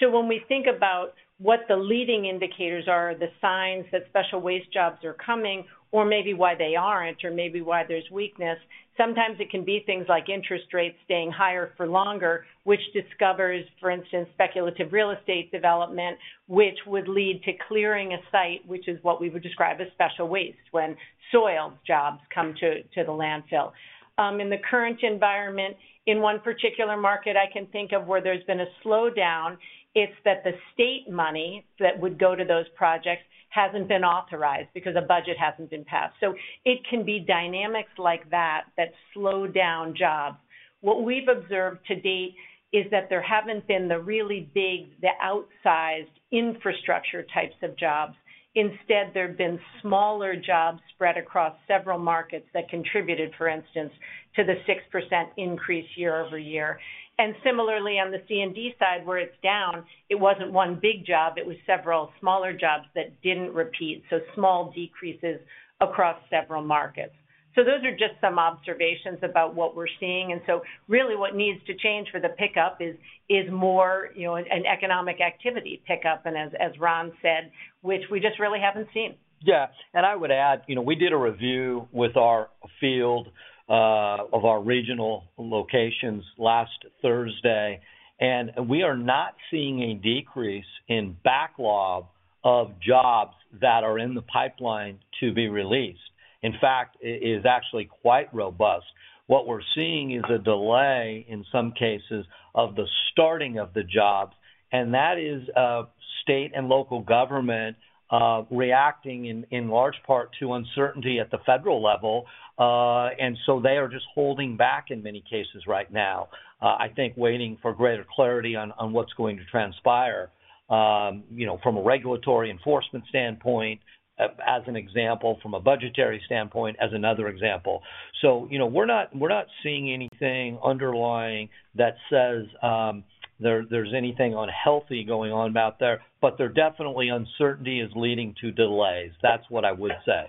When we think about what the leading indicators are, the signs that special waste jobs are coming, or maybe why they aren't, or maybe why there's weakness, sometimes it can be things like interest rates staying higher for longer, which discourages, for instance, speculative real estate development, which would lead to clearing a site, which is what we would describe as special waste when soil jobs come to the landfill. In the current environment, in one particular market I can think of where there's been a slowdown, it's that the state money that would go to those projects hasn't been authorized because a budget hasn't been passed. It can be dynamics like that, that slowed down jobs. What we've observed to date is that there haven't been the really big, the outsized infrastructure types of jobs. Instead, there have been smaller jobs spread across several markets that contributed, for instance, to the 6% increase year-over-year. Similarly, on the C&D side, where it's down, it wasn't one big job. It was several smaller jobs that didn't repeat. Small decreases across several markets. Those are just some observations about what we're seeing. Really what needs to change for the pickup is more an economic activity pickup, and as Ron said, which we just really haven't seen. Yeah. I would add we did a review with our field of our regional locations last Thursday, and we are not seeing a decrease in backlog of jobs that are in the pipeline to be released. In fact, it is actually quite robust. What we're seeing is a delay in some cases of the starting of the jobs, and that is state and local government reacting in large part to uncertainty at the federal level. They are just holding back in many cases right now, I think, waiting for greater clarity on what's going to transpire from a regulatory enforcement standpoint, as an example, from a budgetary standpoint, as another example. We are not seeing anything underlying that says there's anything unhealthy going on out there, but there definitely is uncertainty leading to delays. That's what I would say.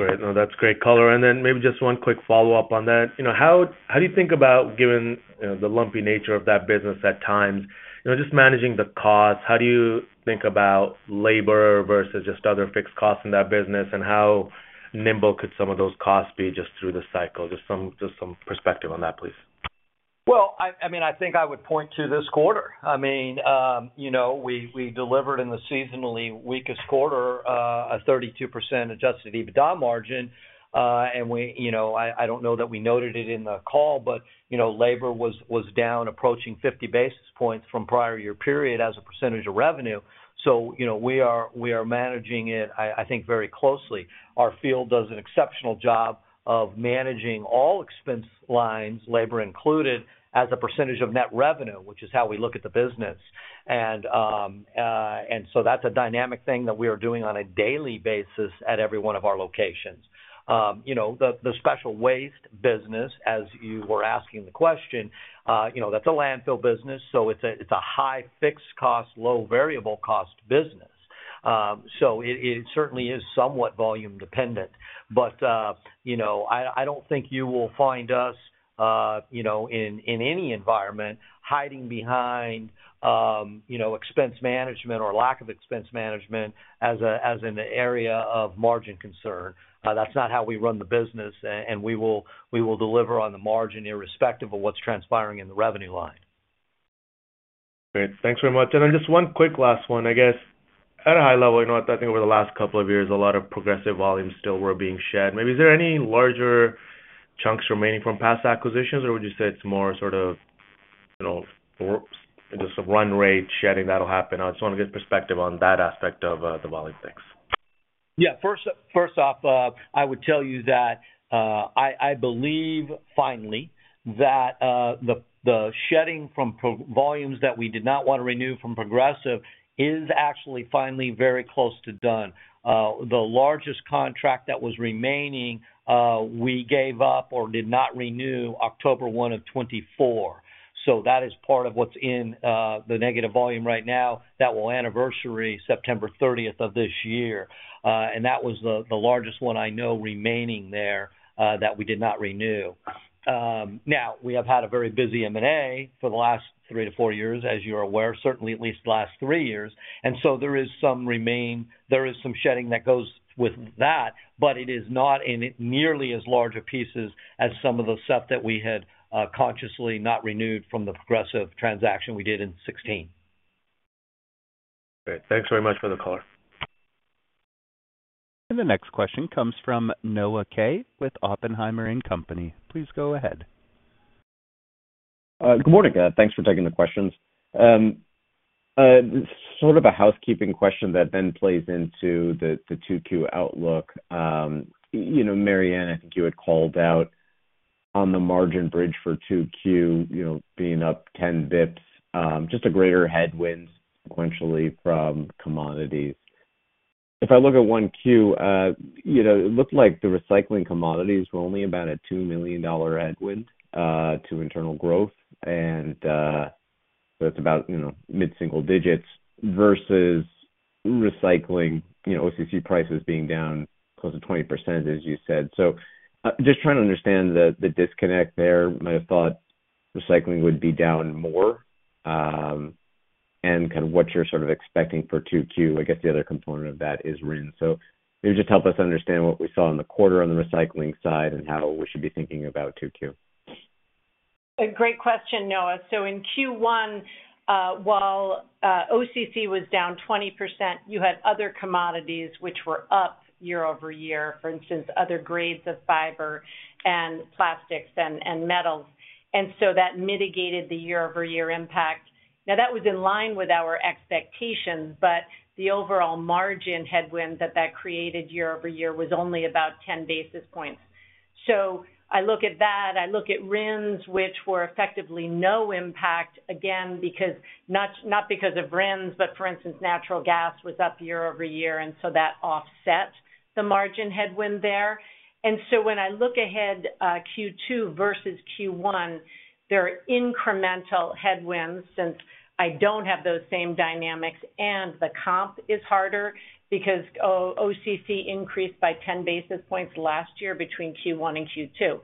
Great. No, that's great color. Maybe just one quick follow-up on that. How do you think about, given the lumpy nature of that business at times, just managing the costs? How do you think about labor versus just other fixed costs in that business, and how nimble could some of those costs be just through the cycle? Just some perspective on that, please. I mean, I think I would point to this quarter. I mean, we delivered in the seasonally weakest quarter a 32% adjusted EBITDA margin, and I do not know that we noted it in the call, but labor was down approaching 50 basis points from prior year period as a percentage of revenue. We are managing it, I think, very closely. Our field does an exceptional job of managing all expense lines, labor included, as a percentage of net revenue, which is how we look at the business. That is a dynamic thing that we are doing on a daily basis at every one of our locations. The special waste business, as you were asking the question, that is a landfill business, so it is a high fixed cost, low variable cost business. It certainly is somewhat volume dependent, but I do not think you will find us in any environment hiding behind expense management or lack of expense management as an area of margin concern. That is not how we run the business, and we will deliver on the margin irrespective of what is transpiring in the revenue line. Great. Thanks very much. Just one quick last one. I guess at a high level, I think over the last couple of years, a lot of Progressive volumes still were being shed. Maybe is there any larger chunks remaining from past acquisitions, or would you say it's more sort of just a run rate shedding that'll happen? I just want to get perspective on that aspect of the volume things. Yeah. First off, I would tell you that I believe finally that the shedding from volumes that we did not want to renew from Progressive is actually finally very close to done. The largest contract that was remaining, we gave up or did not renew October 1 of 2024. That is part of what's in the negative volume right now that will anniversary September 30 of this year. That was the largest one I know remaining there that we did not renew. Now, we have had a very busy M&A for the last three to four years, as you're aware, certainly at least the last three years. There is some shedding that goes with that, but it is not in nearly as large a piece as some of the stuff that we had consciously not renewed from the Progressive transaction we did in 2016. Great. Thanks very much for the collar. The next question comes from Noah Kaye with Oppenheimer & Company. Please go ahead. Good morning. Thanks for taking the questions. Sort of a housekeeping question that then plays into the 2Q outlook. Mary Anne, I think you had called out on the margin bridge for 2Q being up 10 basis points, just a greater headwind sequentially from commodities. If I look at 1Q, it looked like the recycling commodities were only about a $2 million headwind to internal growth, and that's about mid-single digits versus recycling OCC prices being down close to 20%, as you said. Just trying to understand the disconnect there. Might have thought recycling would be down more, and kind of what you're sort of expecting for 2Q. I guess the other component of that is RIN. Maybe just help us understand what we saw in the quarter on the recycling side and how we should be thinking about 2Q. A great question, Noah. In Q1, while OCC was down 20%, you had other commodities which were up year over year, for instance, other grades of fiber and plastics and metals. That mitigated the year-over-year impact. That was in line with our expectations, but the overall margin headwind that that created year-over-year was only about 10 basis points. I look at that. I look at RINs, which were effectively no impact, again, not because of RINs, but for instance, natural gas was up year over year, and that offset the margin headwind there. When I look ahead Q2 versus Q1, there are incremental headwinds since I do not have those same dynamics, and the comp is harder because OCC increased by 10 basis points last year between Q1 and Q2.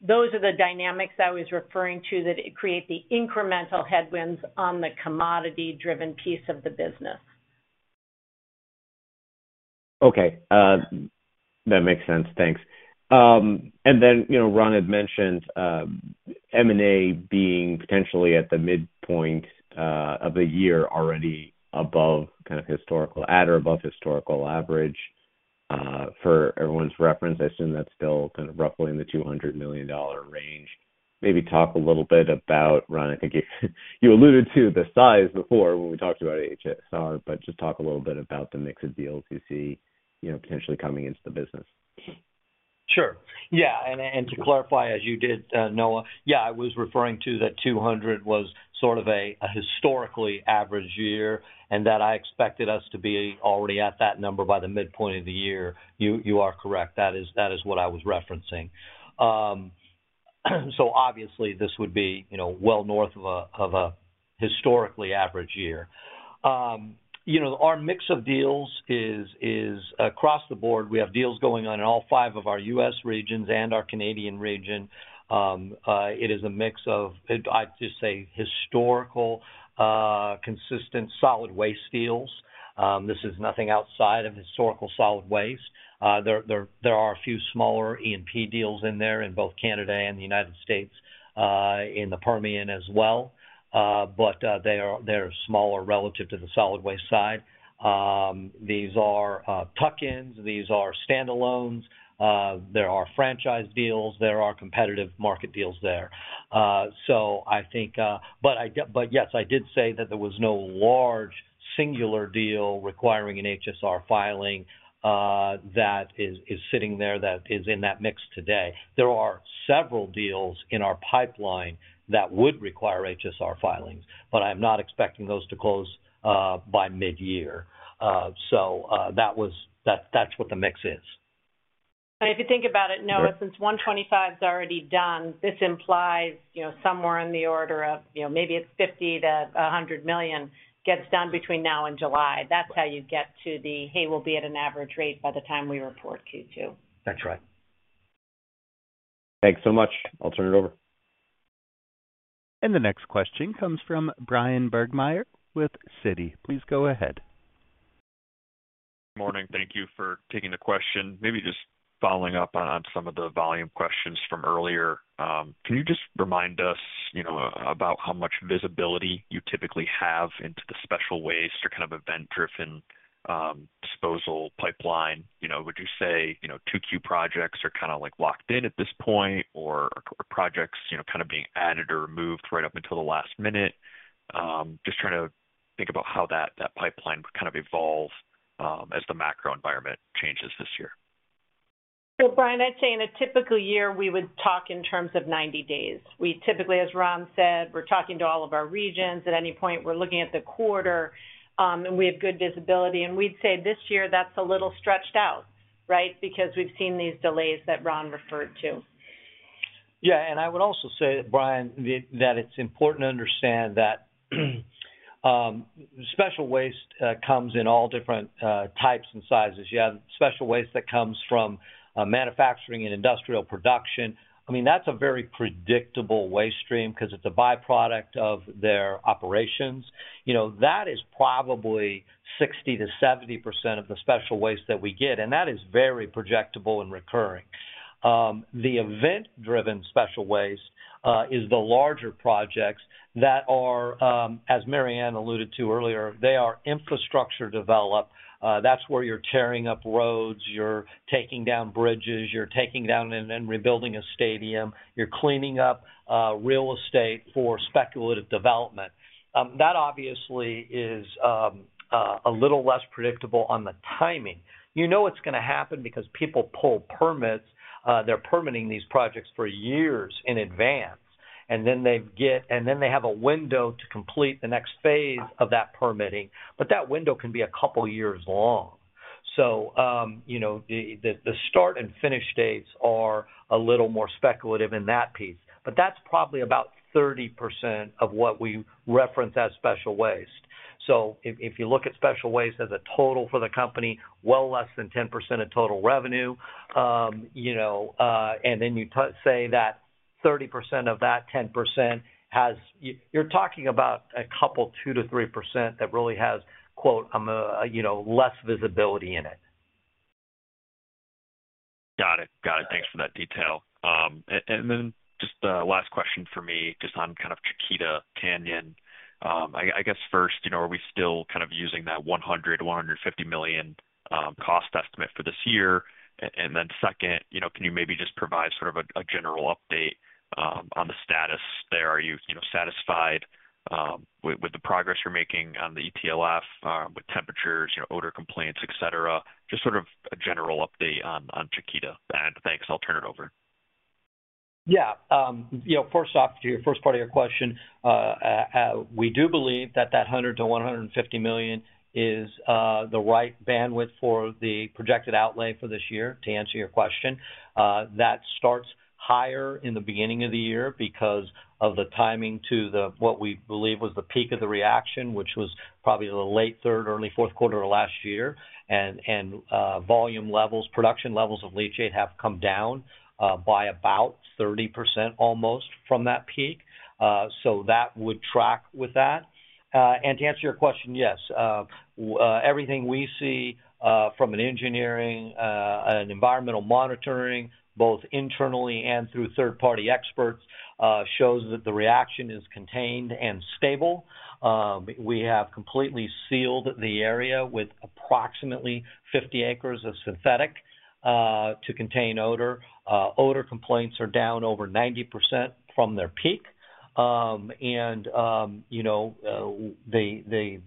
Those are the dynamics I was referring to that create the incremental headwinds on the commodity-driven piece of the business. Okay. That makes sense. Thanks. Ron had mentioned M&A being potentially at the midpoint of the year already above kind of historical at or above historical average. For everyone's reference, I assume that's still kind of roughly in the $200 million range. Maybe talk a little bit about, Ron, I think you alluded to the size before when we talked about HSR, but just talk a little bit about the mix of deals you see potentially coming into the business. Sure. Yeah. To clarify, as you did, Noah, yeah, I was referring to that $200 million was sort of a historically average year and that I expected us to be already at that number by the midpoint of the year. You are correct. That is what I was referencing. Obviously, this would be well north of a historically average year. Our mix of deals is across the board. We have deals going on in all five of our U.S. regions and our Canadian region. It is a mix of, I'd just say, historical, consistent, solid waste deals. This is nothing outside of historical solid waste. There are a few smaller E&P deals in there in both Canada and the United States in the Permian as well, but they are smaller relative to the solid waste side. These are tuck-ins. These are stand-alones. There are franchise deals. There are competitive market deals there. I think, yes, I did say that there was no large singular deal requiring an HSR filing that is sitting there that is in that mix today. There are several deals in our pipeline that would require HSR filings, but I'm not expecting those to close by mid-year. That's what the mix is. If you think about it, Noah, since 125 is already done, this implies somewhere on the order of maybe it's $50 million-$100 million gets done between now and July. That's how you get to the, "Hey, we'll be at an average rate by the time we report Q2. That's right. Thanks so much. I'll turn it over. The next question comes from Brian Bergmeyer with Citi. Please go ahead. Good morning. Thank you for taking the question. Maybe just following up on some of the volume questions from earlier. Can you just remind us about how much visibility you typically have into the special waste or kind of event-driven disposal pipeline? Would you say 2Q projects are kind of locked in at this point or projects kind of being added or removed right up until the last minute? Just trying to think about how that pipeline kind of evolves as the macro environment changes this year. Brian, I'd say in a typical year, we would talk in terms of 90 days. Typically, as Ron said, we're talking to all of our regions. At any point, we're looking at the quarter, and we have good visibility. We'd say this year that's a little stretched out, right, because we've seen these delays that Ron referred to. Yeah. I would also say, Brian, that it's important to understand that special waste comes in all different types and sizes. You have special waste that comes from manufacturing and industrial production. I mean, that's a very predictable waste stream because it's a byproduct of their operations. That is probably 60-70% of the special waste that we get, and that is very projectable and recurring. The event-driven special waste is the larger projects that are, as Mary Anne alluded to earlier, they are infrastructure developed. That's where you're tearing up roads. You're taking down bridges. You're taking down and rebuilding a stadium. You're cleaning up real estate for speculative development. That obviously is a little less predictable on the timing. You know it's going to happen because people pull permits. They're permitting these projects for years in advance, and then they have a window to complete the next phase of that permitting, but that window can be a couple of years long. The start and finish dates are a little more speculative in that piece, but that's probably about 30% of what we reference as special waste. If you look at special waste as a total for the company, well less than 10% of total revenue, and then you say that 30% of that 10%, you're talking about a couple of 2-3% that really has, quote, "I'm less visibility in it. Got it. Got it. Thanks for that detail. Just the last question for me, just on kind of Chiquita Canyon. I guess first, are we still kind of using that $100 million-$150 million cost estimate for this year? Second, can you maybe just provide sort of a general update on the status there? Are you satisfied with the progress you're making on the ETLF with temperatures, odor complaints, etc.? Just sort of a general update on Chiquita. Thanks. I'll turn it over. Yeah. First off, to your first part of your question, we do believe that that $100 million-$150 million is the right bandwidth for the projected outlay for this year. To answer your question, that starts higher in the beginning of the year because of the timing to what we believe was the peak of the reaction, which was probably the late third, early fourth quarter of last year. Volume levels, production levels of leachate have come down by about 30% almost from that peak. That would track with that. To answer your question, yes, everything we see from an engineering, an environmental monitoring, both internally and through third-party experts, shows that the reaction is contained and stable. We have completely sealed the area with approximately 50 acres of synthetic to contain odor. Odor complaints are down over 90% from their peak. The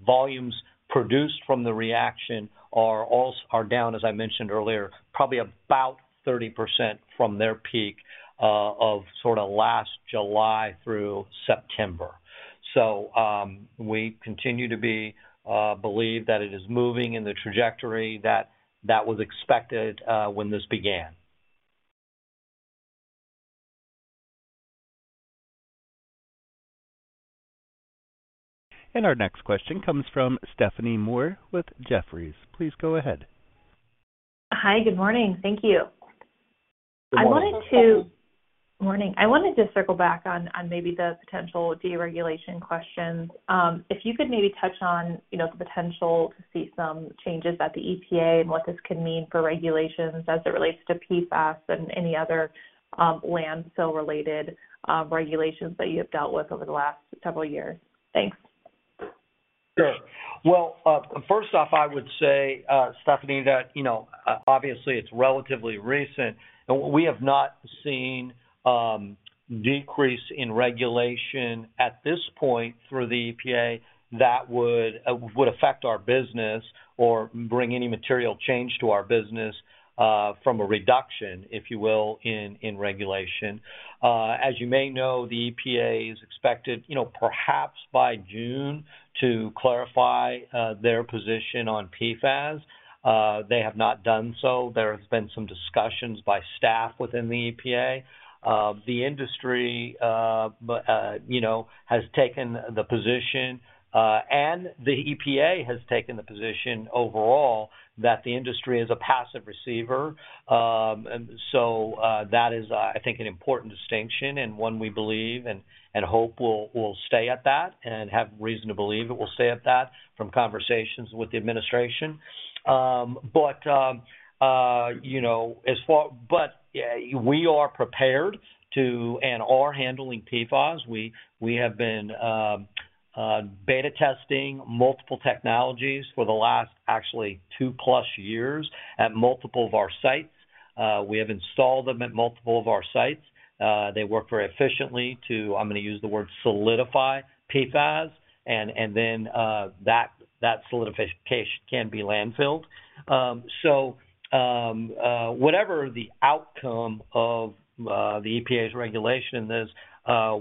volumes produced from the reaction are down, as I mentioned earlier, probably about 30% from their peak of sort of last July through September. We continue to believe that it is moving in the trajectory that was expected when this began. Our next question comes from Stephanie Moore with Jefferies. Please go ahead. Hi. Good morning. Thank you. Good morning. I wanted to circle back on maybe the potential deregulation questions. If you could maybe touch on the potential to see some changes at the EPA and what this could mean for regulations as it relates to PFAS and any other landfill-related regulations that you have dealt with over the last several years. Thanks. Sure. First off, I would say, Stephanie, that obviously it's relatively recent. We have not seen a decrease in regulation at this point through the EPA that would affect our business or bring any material change to our business from a reduction, if you will, in regulation. As you may know, the EPA is expected perhaps by June to clarify their position on PFAS. They have not done so. There have been some discussions by staff within the EPA. The industry has taken the position, and the EPA has taken the position overall that the industry is a passive receiver. That is, I think, an important distinction and one we believe and hope will stay at that and have reason to believe it will stay at that from conversations with the administration. We are prepared to and are handling PFAS. We have been beta testing multiple technologies for the last, actually, two-plus years at multiple of our sites. We have installed them at multiple of our sites. They work very efficiently to, I'm going to use the word, solidify PFAS, and then that solidification can be landfilled. Whatever the outcome of the EPA's regulation in this,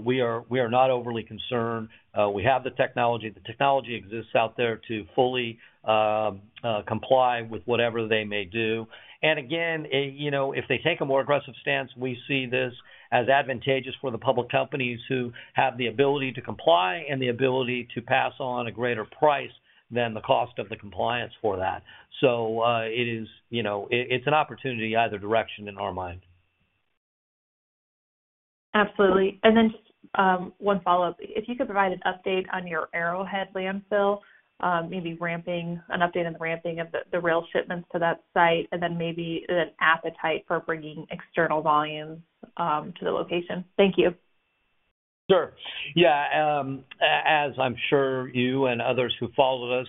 we are not overly concerned. We have the technology. The technology exists out there to fully comply with whatever they may do. Again, if they take a more aggressive stance, we see this as advantageous for the public companies who have the ability to comply and the ability to pass on a greater price than the cost of the compliance for that. It is an opportunity either direction in our mind. Absolutely. Just one follow-up. If you could provide an update on your Arrowhead landfill, maybe an update on the ramping of the rail shipments to that site, and then maybe an appetite for bringing external volumes to the location. Thank you. Sure. Yeah. As I'm sure you and others who followed us,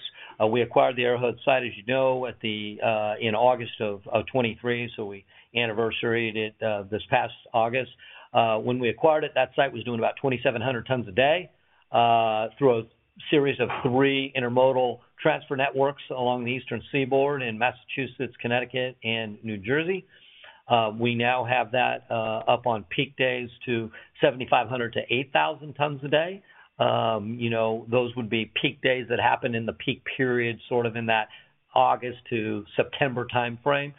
we acquired the Arrowhead site, as you know, in August of 2023. We anniversaried it this past August. When we acquired it, that site was doing about 2,700 tons a day through a series of three intermodal transfer networks along the Eastern Seaboard in Massachusetts, Connecticut, and New Jersey. We now have that up on peak days to 7,500-8,000 tons a day. Those would be peak days that happen in the peak period, sort of in that August to September timeframe,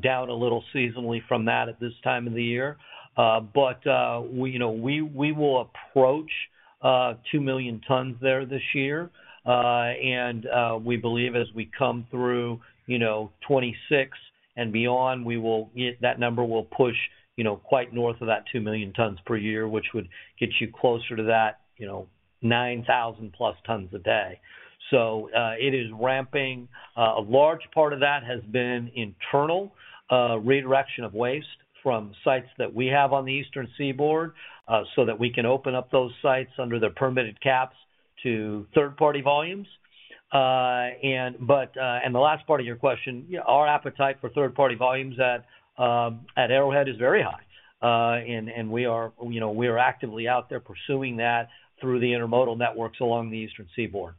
down a little seasonally from that at this time of the year. We will approach 2 million tons there this year. We believe as we come through 2026 and beyond, that number will push quite north of that 2 million tons per year, which would get you closer to that 9,000-plus tons a day. It is ramping. A large part of that has been internal redirection of waste from sites that we have on the Eastern Seaboard so that we can open up those sites under their permitted caps to third-party volumes. The last part of your question, our appetite for third-party volumes at Arrowhead is very high. We are actively out there pursuing that through the intermodal networks along the Eastern Seaboard.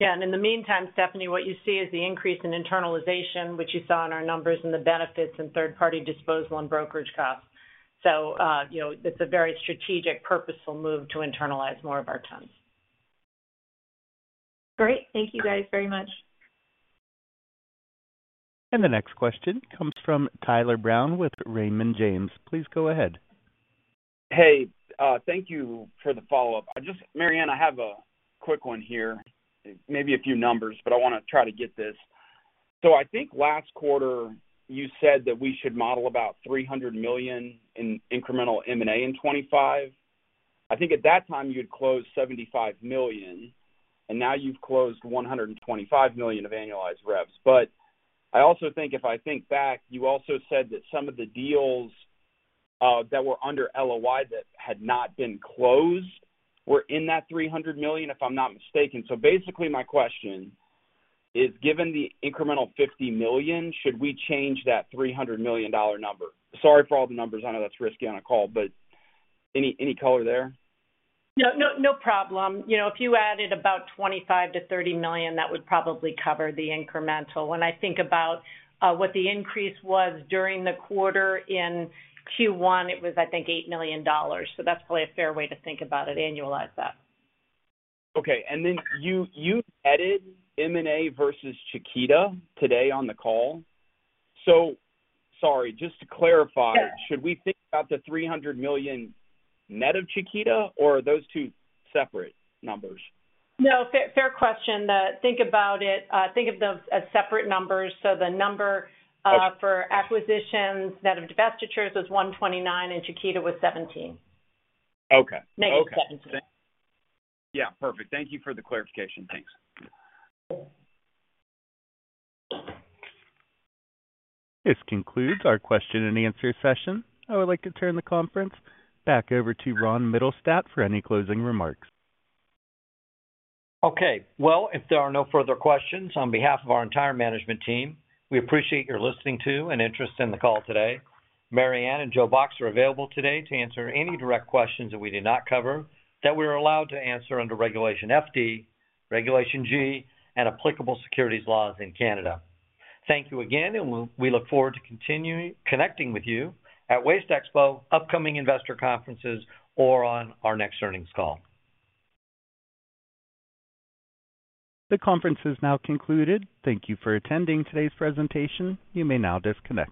Yeah. In the meantime, Stephanie, what you see is the increase in internalization, which you saw in our numbers and the benefits in third-party disposal and brokerage costs. It is a very strategic, purposeful move to internalize more of our tons. Great. Thank you guys very much. The next question comes from Tyler Brown with Raymond James. Please go ahead. Hey. Thank you for the follow-up. Just, Mary Ann, I have a quick one here. Maybe a few numbers, but I want to try to get this. I think last quarter, you said that we should model about $300 million in incremental M&A in 2025. I think at that time, you had closed $75 million, and now you've closed $125 million of annualized revs. I also think if I think back, you also said that some of the deals that were under LOI that had not been closed were in that $300 million, if I'm not mistaken. Basically, my question is, given the incremental $50 million, should we change that $300 million number? Sorry for all the numbers. I know that's risky on a call, but any color there? Yeah. No problem. If you added about $25 million-$30 million, that would probably cover the incremental. When I think about what the increase was during the quarter in Q1, it was, I think, $8 million. So that's probably a fair way to think about it, annualize that. Okay. You added M&A versus Chiquita today on the call. Sorry, just to clarify, should we think about the $300 million net of Chiquita, or are those two separate numbers? No. Fair question. Think about it. Think of those as separate numbers. The number for acquisitions net of divestitures was 129, and Chiquita was 17. Okay. Negative 17. Yeah. Perfect. Thank you for the clarification. Thanks. This concludes our question and answer session. I would like to turn the conference back over to Ron Mittelstaedt for any closing remarks. Okay. If there are no further questions, on behalf of our entire management team, we appreciate your listening to and interest in the call today. Mary Anne and Joe Box are available today to answer any direct questions that we did not cover that we are allowed to answer under Regulation FD, Regulation G, and applicable securities laws in Canada. Thank you again, and we look forward to connecting with you at Waste Expo, upcoming investor conferences, or on our next earnings call. The conference is now concluded. Thank you for attending today's presentation. You may now disconnect.